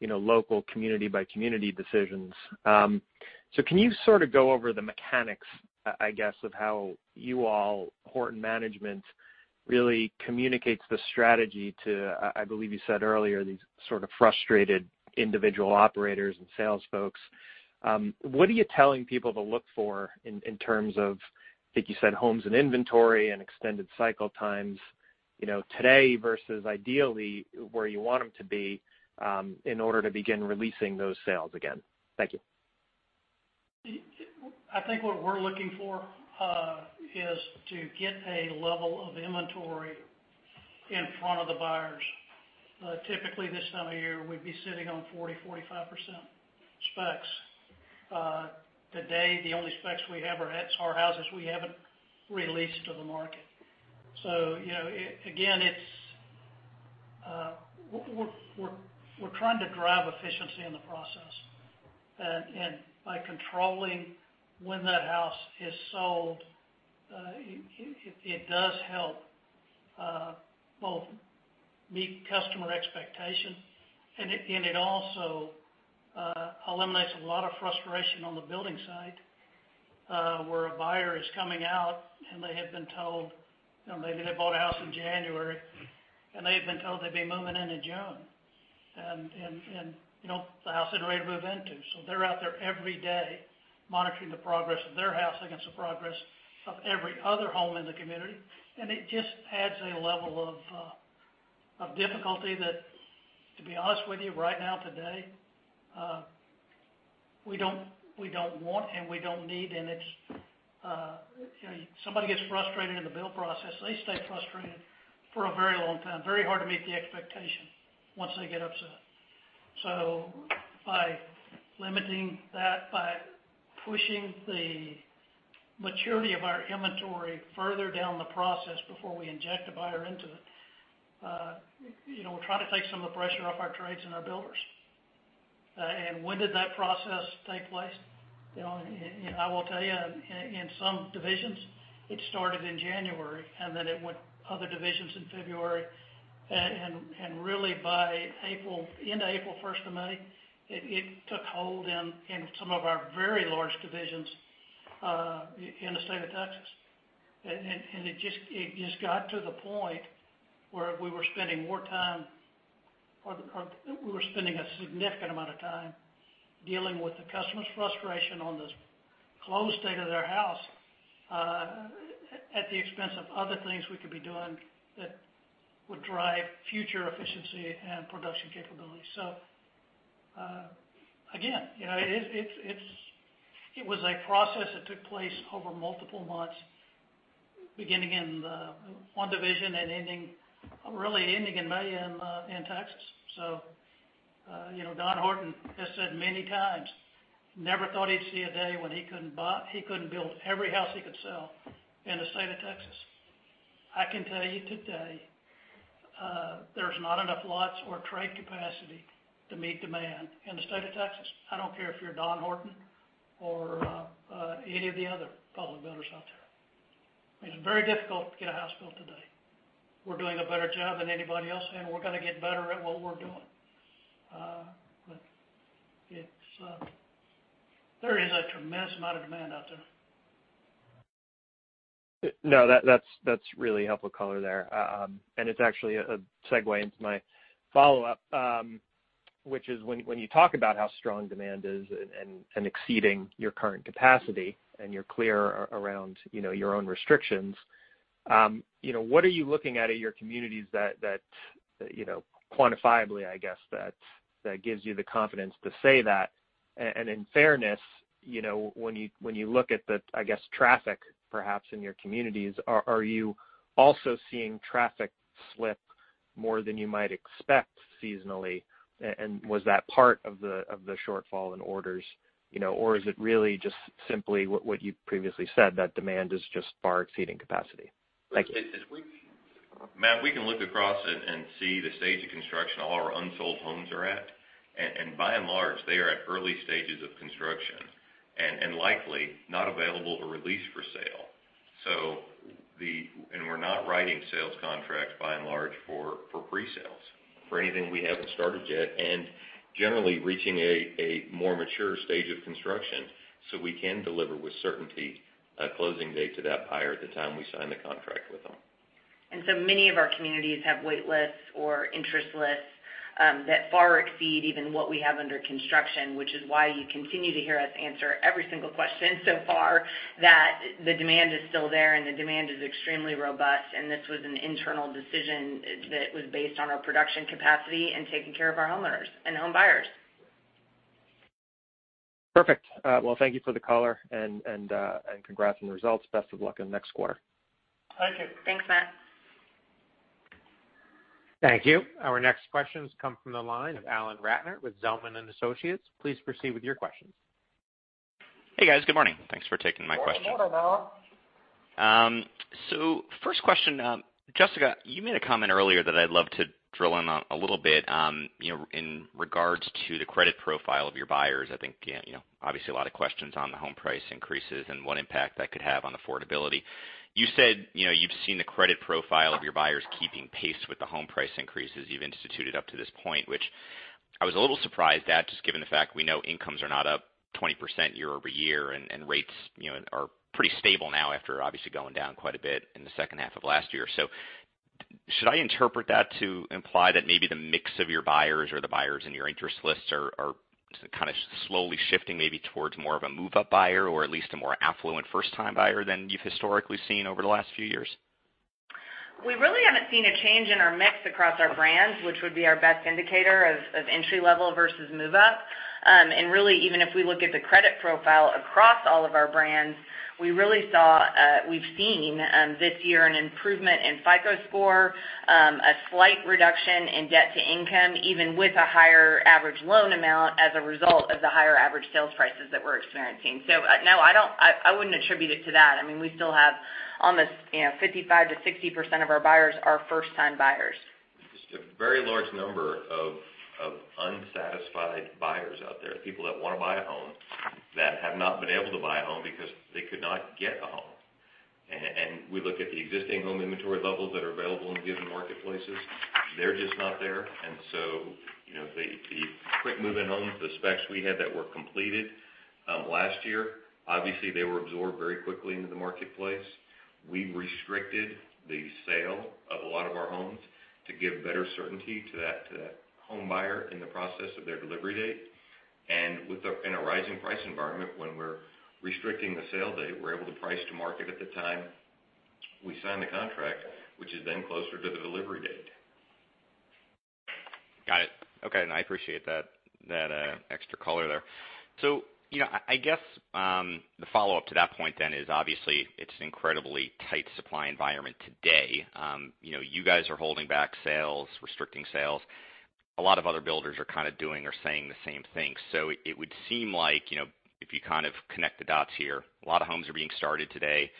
local community-by-community decisions. Can you sort of go over the mechanics, I guess, of how you all, Horton management, really communicates the strategy to, I believe you said earlier, these sort of frustrated individual operators and sales folks? What are you telling people to look for in terms of, I think you said homes and inventory and extended cycle times today versus ideally where you want them to be in order to begin releasing those sales again? Thank you. I think what we're looking for is to get a level of inventory in front of the buyers. Typically, this time of year, we'd be sitting on 40%, 45% specs. Today, the only specs we have are at our houses we haven't released to the market. Again, we're trying to drive efficiency in the process. By controlling when that house is sold, it does help both meet customer expectation, and it also eliminates a lot of frustration on the building side, where a buyer is coming out, and they have been told maybe they bought a house in January, and they had been told they'd be moving in in June. The house isn't ready to move into. They're out there every day monitoring the progress of their house against the progress of every other home in the community. It just adds a level of difficulty that, to be honest with you, right now, today, we don't want and we don't need. Somebody gets frustrated in the build process, they stay frustrated for a very long time. Very hard to meet the expectation once they get upset. By limiting that, by pushing the maturity of our inventory further down the process before we inject a buyer into it, we're trying to take some of the pressure off our trades and our builders. When did that process take place? I will tell you, in some divisions, it started in January, and then it went other divisions in February. Really by end of April, 1st of May, it took hold in some of our very large divisions in the state of Texas. It just got to the point where we were spending a significant amount of time dealing with the customer's frustration on this closed date of their house at the expense of other things we could be doing that would drive future efficiency and production capability. Again, it was a process that took place over multiple months, beginning in one division and really ending in May in Texas. Don Horton has said many times, never thought he'd see a day when he couldn't build every house he could sell in the state of Texas. I can tell you today, there's not enough lots or trade capacity to meet demand in the state of Texas. I don't care if you're Don Horton or any of the other public builders out there. It's very difficult to get a house built today. We're doing a better job than anybody else, and we're going to get better at what we're doing. There is a tremendous amount of demand out there. No, that's really helpful color there. It's actually a segue into my follow-up, which is when you talk about how strong demand is and exceeding your current capacity, and you're clear around your own restrictions, what are you looking at in your communities that quantifiably, I guess, that gives you the confidence to say that? In fairness, when you look at the, I guess, traffic perhaps in your communities, are you also seeing traffic slip more than you might expect seasonally? Was that part of the shortfall in orders? Is it really just simply what you previously said, that demand is just far exceeding capacity? Thank you. Matt, we can look across and see the stage of construction all our unsold homes are at. By and large, they are at early stages of construction and likely not available or released for sale. We're not writing sales contracts by and large for pre-sales, for anything we haven't started yet, and generally reaching a more mature stage of construction, so we can deliver with certainty a closing date to that buyer at the time we sign the contract with them. Many of our communities have wait lists or interest lists that far exceed even what we have under construction, which is why you continue to hear us answer every single question so far that the demand is still there, and the demand is extremely robust, and this was an internal decision that was based on our production capacity and taking care of our homeowners and home buyers. Perfect. Well, thank you for the color and congrats on the results. Best of luck in the next quarter. Thank you. Thanks, Matt. Thank you. Our next questions come from the line of Alan Ratner with Zelman & Associates. Please proceed with your questions. Hey, guys. Good morning. Thanks for taking my questions. Morning, Alan. First question. Jessica, you made a comment earlier that I'd love to drill in on a little bit in regards to the credit profile of your buyers. I think obviously a lot of questions on the home price increases and what impact that could have on affordability. You said you've seen the credit profile of your buyers keeping pace with the home price increases you've instituted up to this point, which I was a little surprised at, just given the fact we know incomes are not up 20% year-over-year, and rates are pretty stable now after obviously going down quite a bit in the second half of last year. Should I interpret that to imply that maybe the mix of your buyers or the buyers in your interest lists are kind of slowly shifting, maybe towards more of a move-up buyer, or at least a more affluent first-time buyer than you've historically seen over the last few years? We really haven't seen a change in our mix across our brands, which would be our best indicator of entry-level versus move-up. Really, even if we look at the credit profile across all of our brands, we've seen this year an improvement in FICO score, a slight reduction in debt-to-income, even with a higher average loan amount as a result of the higher average sales prices that we're experiencing. No, I wouldn't attribute it to that. We still have almost 55%-60% of our buyers are first-time buyers. There's a very large number of unsatisfied buyers out there, people that want to buy a home that have not been able to buy a home because they could not get a home. We look at the existing home inventory levels that are available in given marketplaces, they're just not there. The quick move-in homes, the specs we had that were completed last year, obviously, they were absorbed very quickly into the marketplace. We restricted the sale of a lot of our homes to give better certainty to that homebuyer in the process of their delivery date. In a rising price environment, when we're restricting the sale date, we're able to price to market at the time we sign the contract, which is then closer to the delivery date. Got it. Okay. I appreciate that extra color there. I guess, the follow-up to that point is obviously, it's an incredibly tight supply environment today. You guys are holding back sales, restricting sales. A lot of other builders are kind of doing or saying the same thing. It would seem like, if you kind of connect the dots here, a lot of homes are being started today.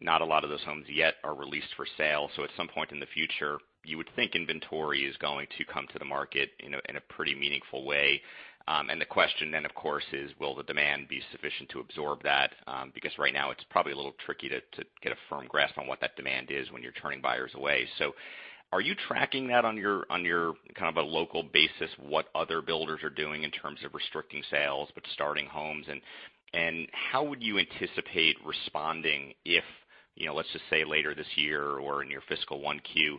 Not a lot of those homes yet are released for sale. At some point in the future, you would think inventory is going to come to the market in a pretty meaningful way. The question, of course is, will the demand be sufficient to absorb that? Because right now it's probably a little tricky to get a firm grasp on what that demand is when you're turning buyers away. Are you tracking that on your kind of a local basis, what other builders are doing in terms of restricting sales, but starting homes, and how would you anticipate responding if, let's just say later this year or in your fiscal 1Q,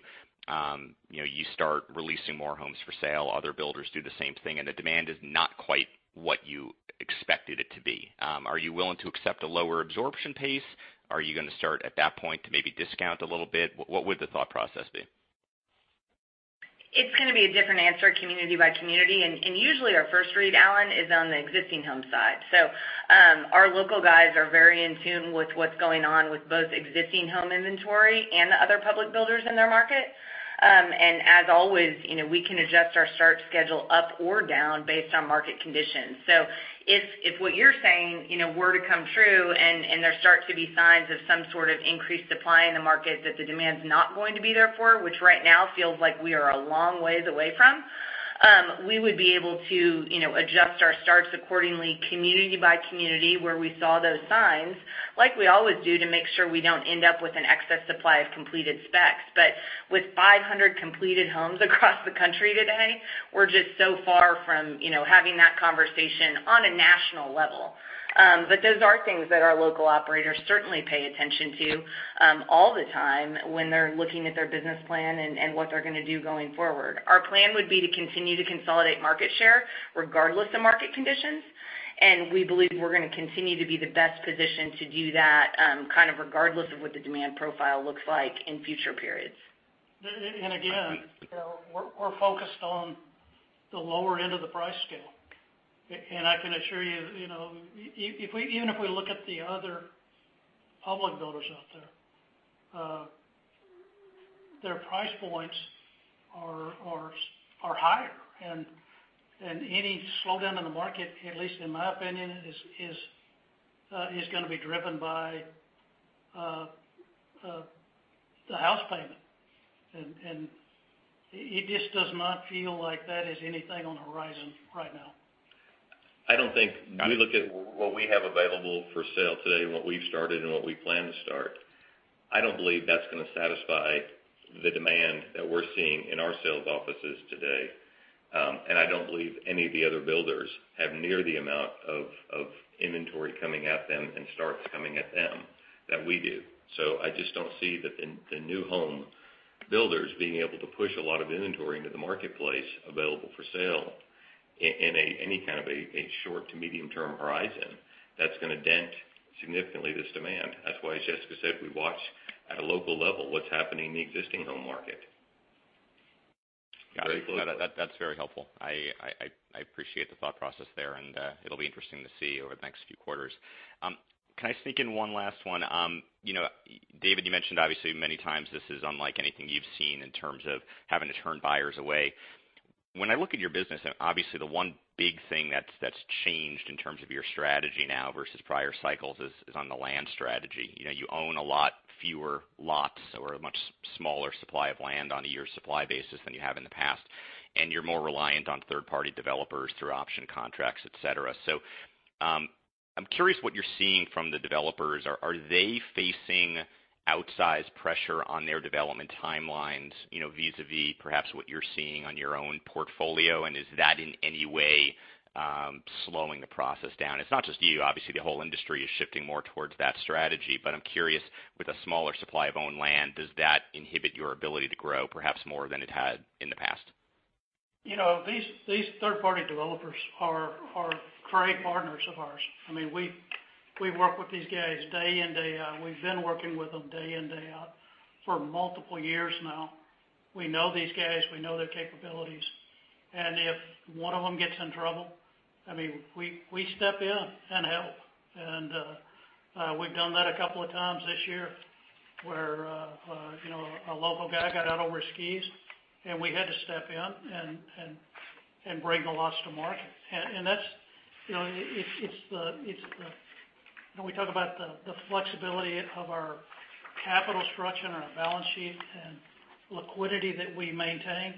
you start releasing more homes for sale, other builders do the same thing, and the demand is not quite what you expected it to be? Are you willing to accept a lower absorption pace? Are you going to start at that point to maybe discount a little bit? What would the thought process be? It's going to be a different answer community by community. Usually our first read, Alan, is on the existing home side. Our local guys are very in tune with what's going on with both existing home inventory and the other public builders in their market. As always, we can adjust our start schedule up or down based on market conditions. If what you're saying were to come true, and there start to be signs of some sort of increased supply in the market that the demand's not going to be there for, which right now feels like we are a long ways away from, we would be able to adjust our starts accordingly community by community where we saw those signs, like we always do, to make sure we don't end up with an excess supply of completed specs. With 500 completed homes across the country today, we're just so far from having that conversation on a national level. Those are things that our local operators certainly pay attention to all the time when they're looking at their business plan and what they're going to do going forward. Our plan would be to continue to consolidate market share regardless of market conditions, and we believe we're going to continue to be the best positioned to do that, kind of regardless of what the demand profile looks like in future periods. Again, we're focused on the lower end of the price scale. I can assure you, even if we look at the other public builders out there, their price points are higher. Any slowdown in the market, at least in my opinion, is going to be driven by the house payment. It just does not feel like that is anything on the horizon right now. When we look at what we have available for sale today and what we've started and what we plan to start, I don't believe that's going to satisfy the demand that we're seeing in our sales offices today. I don't believe any of the other builders have near the amount of inventory coming at them and starts coming at them that we do. I just don't see the new home builders being able to push a lot of inventory into the marketplace available for sale in any one kind of a short to medium-term horizon that's going to dent significantly this demand. That's why, as Jessica said, we watch at a local level what's happening in the existing home market very closely. Got it. No, that's very helpful. I appreciate the thought process there, and it'll be interesting to see over the next few quarters. Can I sneak in one last one? David, you mentioned obviously many times this is unlike anything you've seen in terms of having to turn buyers away. When I look at your business, obviously the one big thing that's changed in terms of your strategy now versus prior cycles is on the land strategy. You own a lot fewer lots or a much smaller supply of land on a year's supply basis than you have in the past, and you're more reliant on third-party developers through option contracts, et cetera. I'm curious what you're seeing from the developers. Are they facing outsized pressure on their development timelines vis-à-vis perhaps what you're seeing on your own portfolio, and is that in any way slowing the process down? It's not just you, obviously, the whole industry is shifting more towards that strategy, but I'm curious with a smaller supply of owned land, does that inhibit your ability to grow perhaps more than it had in the past? These third-party developers are great partners of ours. We work with these guys day in, day out. We've been working with them day in, day out for multiple years now. We know these guys. We know their capabilities. If one of them gets in trouble, we step in and help. We've done that a couple times this year where a local guy got out over his skis, and we had to step in and bring the lots to market. We talk about the flexibility of our capital structure and our balance sheet and liquidity that we maintain.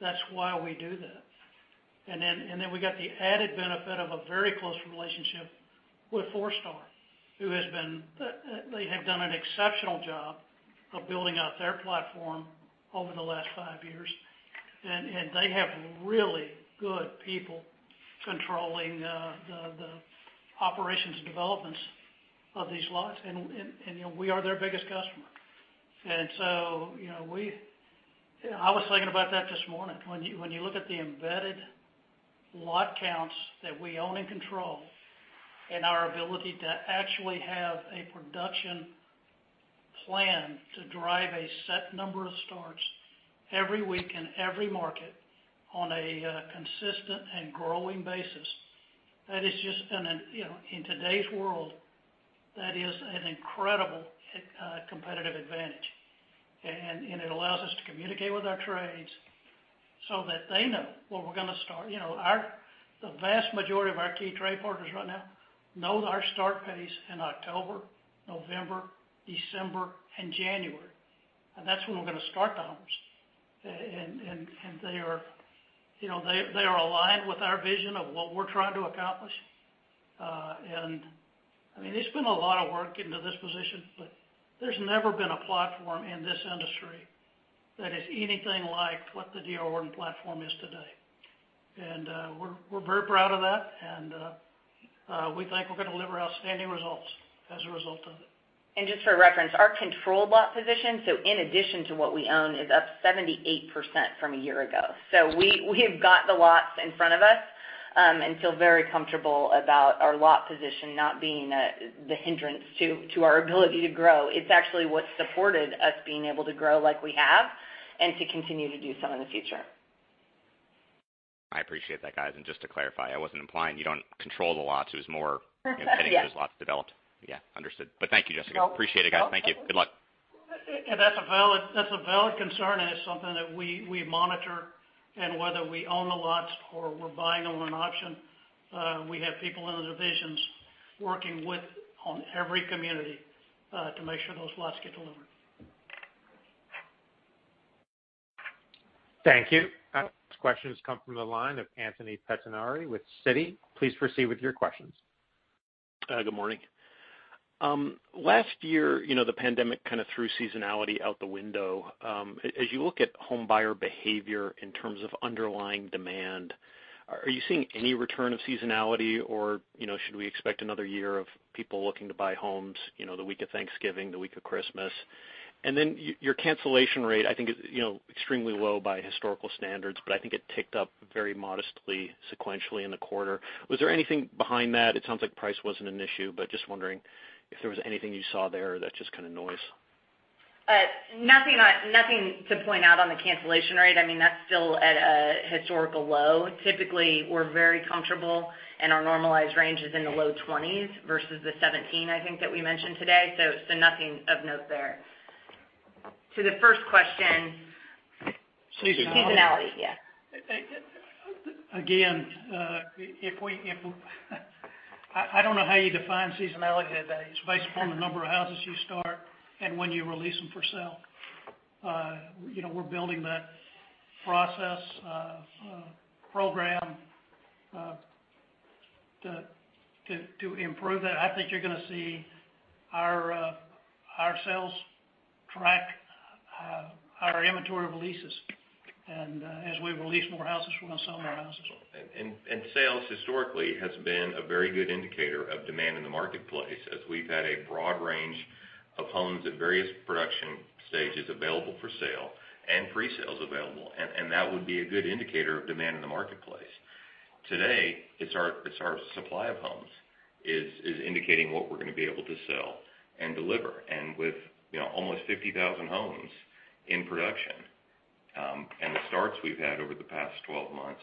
That's why we do that. Then we got the added benefit of a very close relationship with Forestar, they have done an exceptional job of building out their platform over the last five years, and they have really good people controlling the operations and developments of these lots, and we are their biggest customer. I was thinking about that this morning. When you look at the embedded lot counts that we own and control and our ability to actually have a production plan to drive a set number of starts every week in every market on a consistent and growing basis, in today's world, that is an incredible competitive advantage. It allows us to communicate with our trades so that they know what we're going to start. The vast majority of our key trade partners right now know our start pace in October, November, December, and January, and that's when we're going to start the homes. They are aligned with our vision of what we're trying to accomplish. It's been a lot of work getting to this position, but there's never been a platform in this industry that is anything like what the D.R. Horton platform is today. We're very proud of that, and we think we're going to deliver outstanding results as a result of it. Just for reference, our control lot position, so in addition to what we own, is up 78% from a year ago. We have got the lots in front of us and feel very comfortable about our lot position not being the hindrance to our ability to grow. It's actually what supported us being able to grow like we have and to continue to do so in the future. I appreciate that, guys. Just to clarify, I wasn't implying you don't control the lots. Yeah indicating there's lots developed. Yeah, understood. Thank you, Jessica. Appreciate it, guys. Thank you. Good luck. That's a valid concern, and it's something that we monitor, and whether we own the lots or we're buying them on option, we have people in the divisions working on every community to make sure those lots get delivered. Thank you. Questions come from the line of Anthony Pettinari with Citi. Please proceed with your questions. Good morning. Last year, the pandemic kind of threw seasonality out the window. As you look at home buyer behavior in terms of underlying demand, are you seeing any return of seasonality, or should we expect another year of people looking to buy homes the week of Thanksgiving, the week of Christmas? Your cancellation rate, I think is extremely low by historical standards, but I think it ticked up very modestly sequentially in the quarter. Was there anything behind that? It sounds like price wasn't an issue, but just wondering if there was anything you saw there or that's just kind of noise. Nothing to point out on the cancellation rate. That's still at a historical low. Typically, we're very comfortable, and our normalized range is in the low 20s versus the 17, I think, that we mentioned today. Nothing of note there. To the first question- Seasonality seasonality, yeah. Again, I don't know how you define seasonality. It's based upon the number of houses you start and when you release them for sale. We're building that process program to improve that. I think you're going to see our sales track our inventory releases. As we release more houses, we're going to sell more houses. Sales historically has been a very good indicator of demand in the marketplace as we've had a broad range of homes at various production stages available for sale and pre-sales available, and that would be a good indicator of demand in the marketplace. Today, our supply of homes is indicating what we're going to be able to sell and deliver. With almost 50,000 homes in production and the starts we've had over the past 12 months,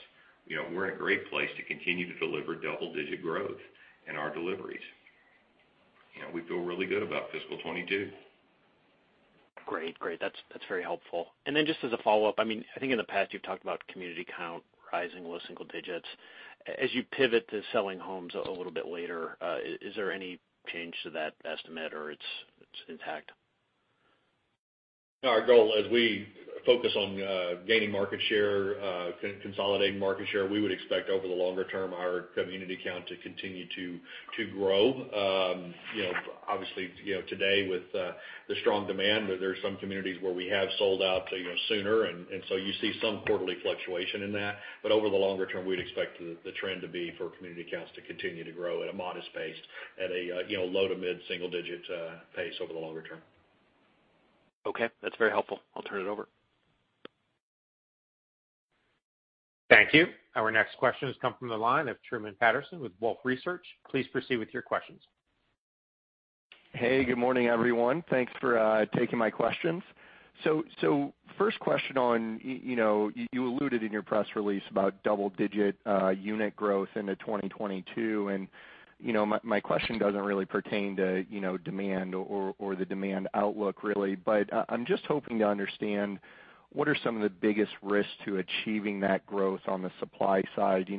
we're in a great place to continue to deliver double-digit growth in our deliveries. We feel really good about fiscal 2022. Great. That's very helpful. Just as a follow-up, I think in the past you've talked about community count rising low single digits. As you pivot to selling homes a little bit later, is there any change to that estimate, or it's intact? Our goal as we focus on gaining market share, consolidating market share, we would expect over the longer term our community count to continue to grow. Obviously, today with the strong demand, there's some communities where we have sold out sooner, you see some quarterly fluctuation in that. Over the longer term, we'd expect the trend to be for community counts to continue to grow at a modest pace, at a low to mid single digit pace over the longer term. Okay. That's very helpful. I'll turn it over. Thank you. Our next question has come from the line of Truman Patterson with Wolfe Research. Please proceed with your questions. Hey, good morning, everyone. Thanks for taking my questions. First question on, you alluded in your press release about double-digit unit growth into 2022, and my question doesn't really pertain to demand or the demand outlook, really. I'm just hoping to understand, what are some of the biggest risks to achieving that growth on the supply side?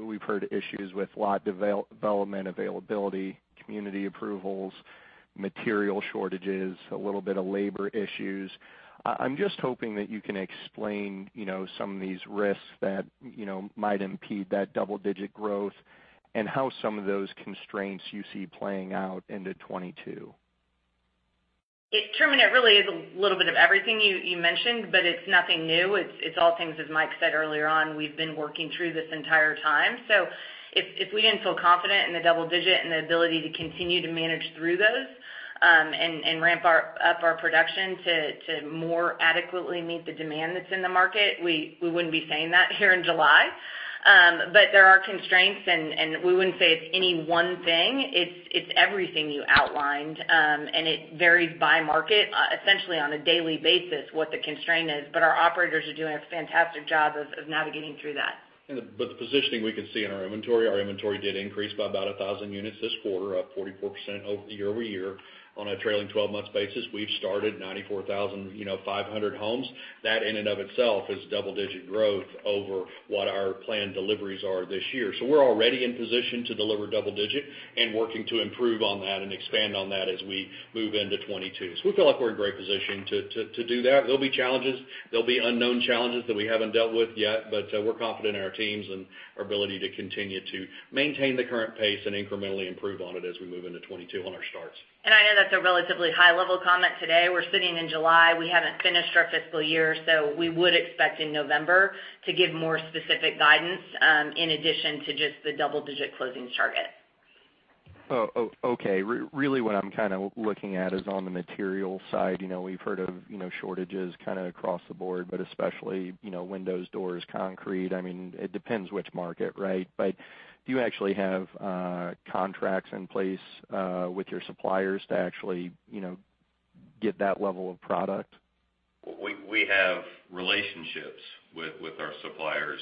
We've heard issues with lot development availability, community approvals, material shortages, a little bit of labor issues. I'm just hoping that you can explain some of these risks that might impede that double-digit growth and how some of those constraints you see playing out into 2022. Truman, it really is a little bit of everything you mentioned. It's nothing new. It's all things, as Mike said earlier on, we've been working through this entire time. If we didn't feel confident in the double digit and the ability to continue to manage through those and ramp up our production to more adequately meet the demand that's in the market, we wouldn't be saying that here in July. There are constraints, and we wouldn't say it's any one thing. It's everything you outlined. It varies by market, essentially on a daily basis, what the constraint is. Our operators are doing a fantastic job of navigating through that. The positioning we can see in our inventory, our inventory did increase by about 1,000 units this quarter, up 44% year-over-year. On a trailing 12-month basis, we've started 94,500 homes. That in and of itself is double-digit growth over what our planned deliveries are this year. We're already in position to deliver double-digit and working to improve on that and expand on that as we move into 2022. We feel like we're in great position to do that. There'll be challenges. There'll be unknown challenges that we haven't dealt with yet, but we're confident in our teams and our ability to continue to maintain the current pace and incrementally improve on it as we move into 2022 on our starts. I know that's a relatively high-level comment today. We're sitting in July. We haven't finished our fiscal year, so we would expect in November to give more specific guidance, in addition to just the double-digit closings target. Oh, okay. Really what I'm kind of looking at is on the material side. We've heard of shortages kind of across the board, especially windows, doors, concrete. It depends which market, right? Do you actually have contracts in place with your suppliers to actually get that level of product? We have relationships with our suppliers.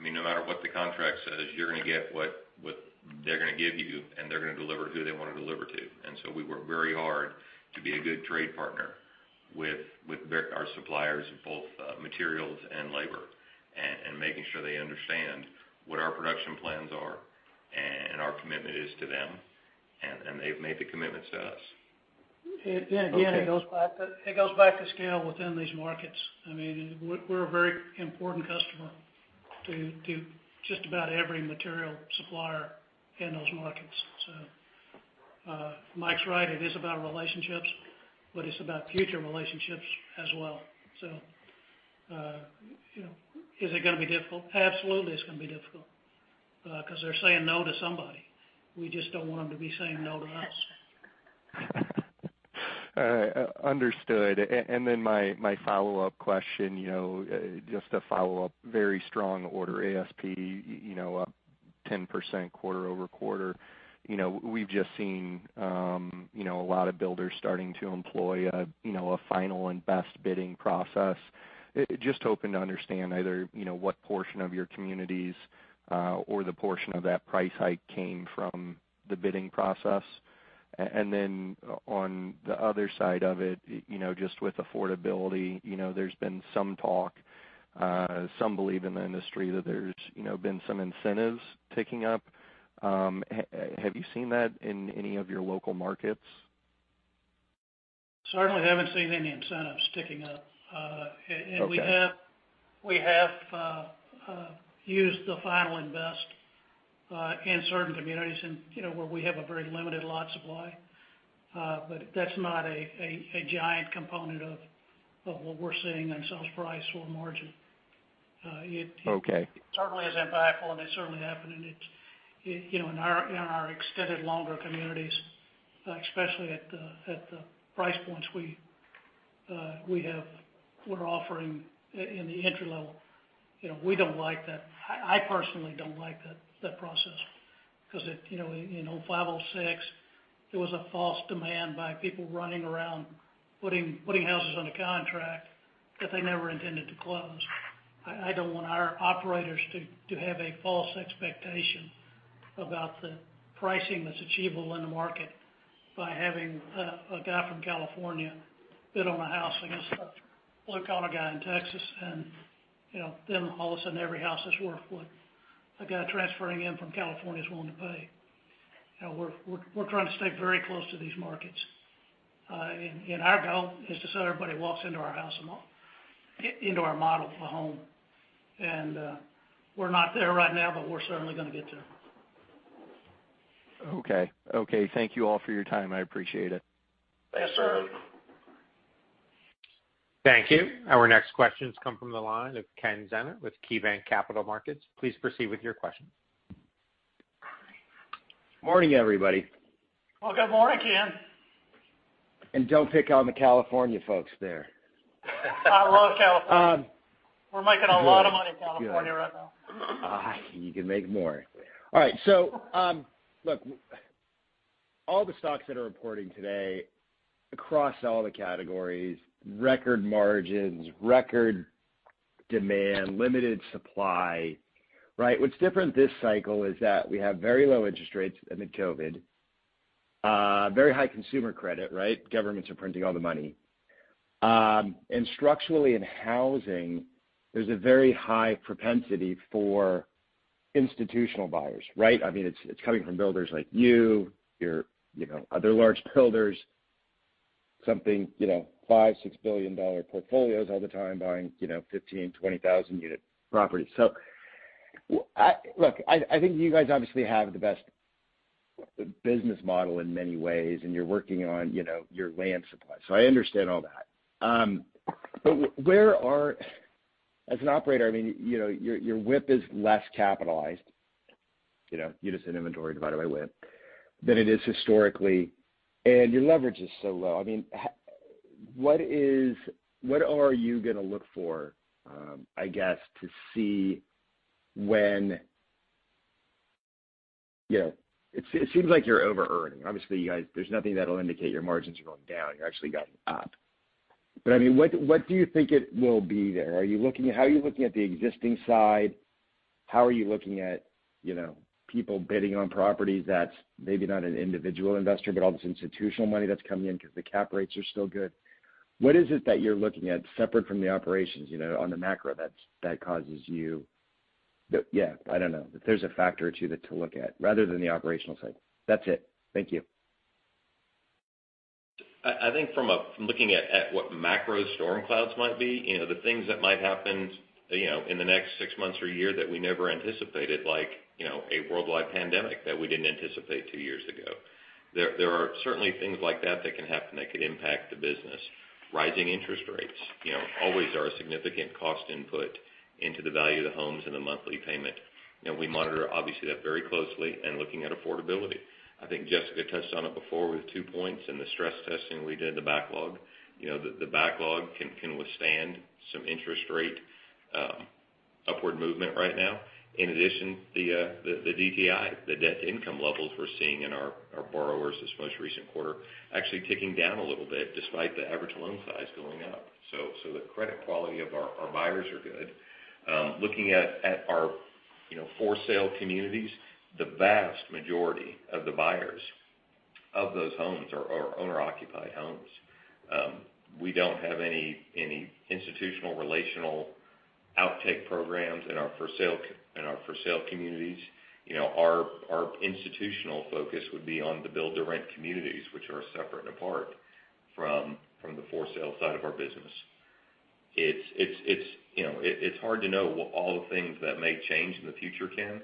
No matter what the contract says, you're going to get what they're going to give you, and they're going to deliver to who they want to deliver to. We work very hard to be a good trade partner with our suppliers, in both materials and labor, and making sure they understand what our production plans are and our commitment is to them, and they've made the commitment to us. Okay. Again, it goes back to scale within these markets. We're a very important customer to just about every material supplier in those markets. Mike's right. It is about relationships, but it's about future relationships as well. Is it going to be difficult? Absolutely, it's going to be difficult. Because they're saying no to somebody. We just don't want them to be saying no to us. Understood. My follow-up question, just to follow up, very strong order ASP, up 10% quarter-over-quarter. We've just seen a lot of builders starting to employ a final and best bidding process. Just hoping to understand either what portion of your communities or the portion of that price hike came from the bidding process. On the other side of it, just with affordability, there's been some talk, some belief in the industry that there's been some incentives ticking up. Have you seen that in any of your local markets? Certainly haven't seen any incentives ticking up. Okay. We have used the final and best in certain communities and where we have a very limited lot supply. That's not a giant component of what we're seeing in sales price or margin. Okay. It certainly is impactful, and it's certainly happening. In our extended longer communities, especially at the price points we're offering in the entry level, we don't like that. I personally don't like that process because in 2005, 2006, there was a false demand by people running around putting houses under contract that they never intended to close. I don't want our operators to have a false expectation about the pricing that's achievable in the market by having a guy from California bid on a house against a local guy in Texas, and then all of a sudden every house is worth what a guy transferring in from California is willing to pay. We're trying to stay very close to these markets. Our goal is to set everybody who walks into our model home. We're not there right now, but we're certainly going to get there. Okay. Thank you all for your time. I appreciate it. Yes, sir. Yes, sir. Thank you. Our next question comes from the line of Ken Zener with KeyBanc Capital Markets. Please proceed with your question. Morning, everybody. Well, good morning, Ken. Don't pick on the California folks there. I love California. We're making a lot of money in California right now. You can make more. All right. Look, all the stocks that are reporting today across all the categories, record margins, record demand, limited supply, right? What's different this cycle is that we have very low interest rates amid COVID, very high consumer credit, right? Governments are printing all the money. Structurally in housing, there's a very high propensity for institutional buyers, right? It's coming from builders like you, other large builders, something, $5 billion-$6 billion portfolios all the time buying 15,000, 20,000 unit properties. Look, I think you guys obviously have the best business model in many ways, and you're working on your land supply, so I understand all that. As an operator, your WIP is less capitalized. Unit in inventory divided by WIP, than it is historically. Your leverage is so low. What are you going to look for, I guess, to see when it seems like you're over-earning? Obviously, you guys, there's nothing that'll indicate your margins are going down. You're actually going up. What do you think it will be there? How are you looking at the existing side? How are you looking at people bidding on properties that's maybe not an individual investor, but all this institutional money that's coming in because the cap rates are still good? What is it that you're looking at separate from the operations, on the macro that causes you? I don't know. If there's a factor or two to look at rather than the operational side. That's it. Thank you. I think from looking at what macro storm clouds might be, the things that might happen in the next six months or a year that we never anticipated, like a worldwide pandemic that we didn't anticipate two years ago. There are certainly things like that that can happen that could impact the business. Rising interest rates always are a significant cost input into the value of the homes and the monthly payment. We monitor, obviously, that very closely and looking at affordability. I think Jessica touched on it before with two points in the stress testing we did in the backlog. The backlog can withstand some interest rate upward movement right now. In addition, the DTI, the debt-to-income levels we're seeing in our borrowers this most recent quarter, actually ticking down a little bit despite the average loan size going up. The credit quality of our buyers are good. Looking at our for sale communities, the vast majority of the buyers of those homes are owner-occupied homes. We don't have any institutional relational outtake programs in our for sale communities. Our institutional focus would be on the build-to-rent communities, which are separate and apart from the for sale side of our business. It's hard to know all the things that may change in the future, Ken.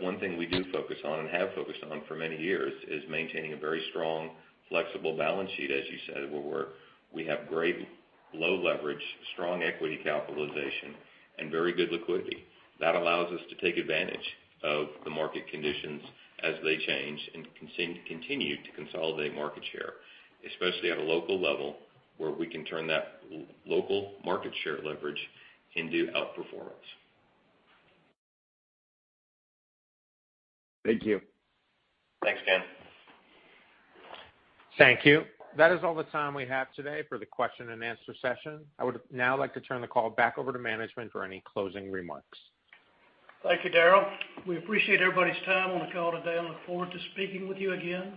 One thing we do focus on and have focused on for many years is maintaining a very strong, flexible balance sheet, as you said, where we have great low leverage, strong equity capitalization, and very good liquidity. That allows us to take advantage of the market conditions as they change and continue to consolidate market share, especially at a local level, where we can turn that local market share leverage into outperformance. Thank you. Thanks, Ken. Thank you. That is all the time we have today for the question and answer session. I would now like to turn the call back over to management for any closing remarks. Thank you, Daryl. We appreciate everybody's time on the call today and look forward to speaking with you again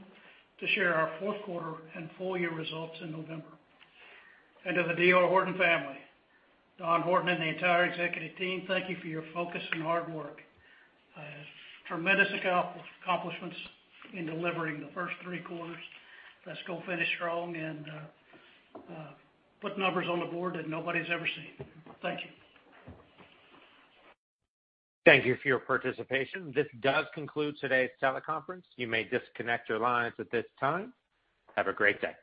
to share our fourth quarter and full-year results in November. To the D.R. Horton family, Don Horton, and the entire executive team, thank you for your focus and hard work. Tremendous accomplishments in delivering the first three quarters. Let's go finish strong and put numbers on the board that nobody's ever seen. Thank you. Thank you for your participation. This does conclude today's teleconference. You may disconnect your lines at this time. Have a great day.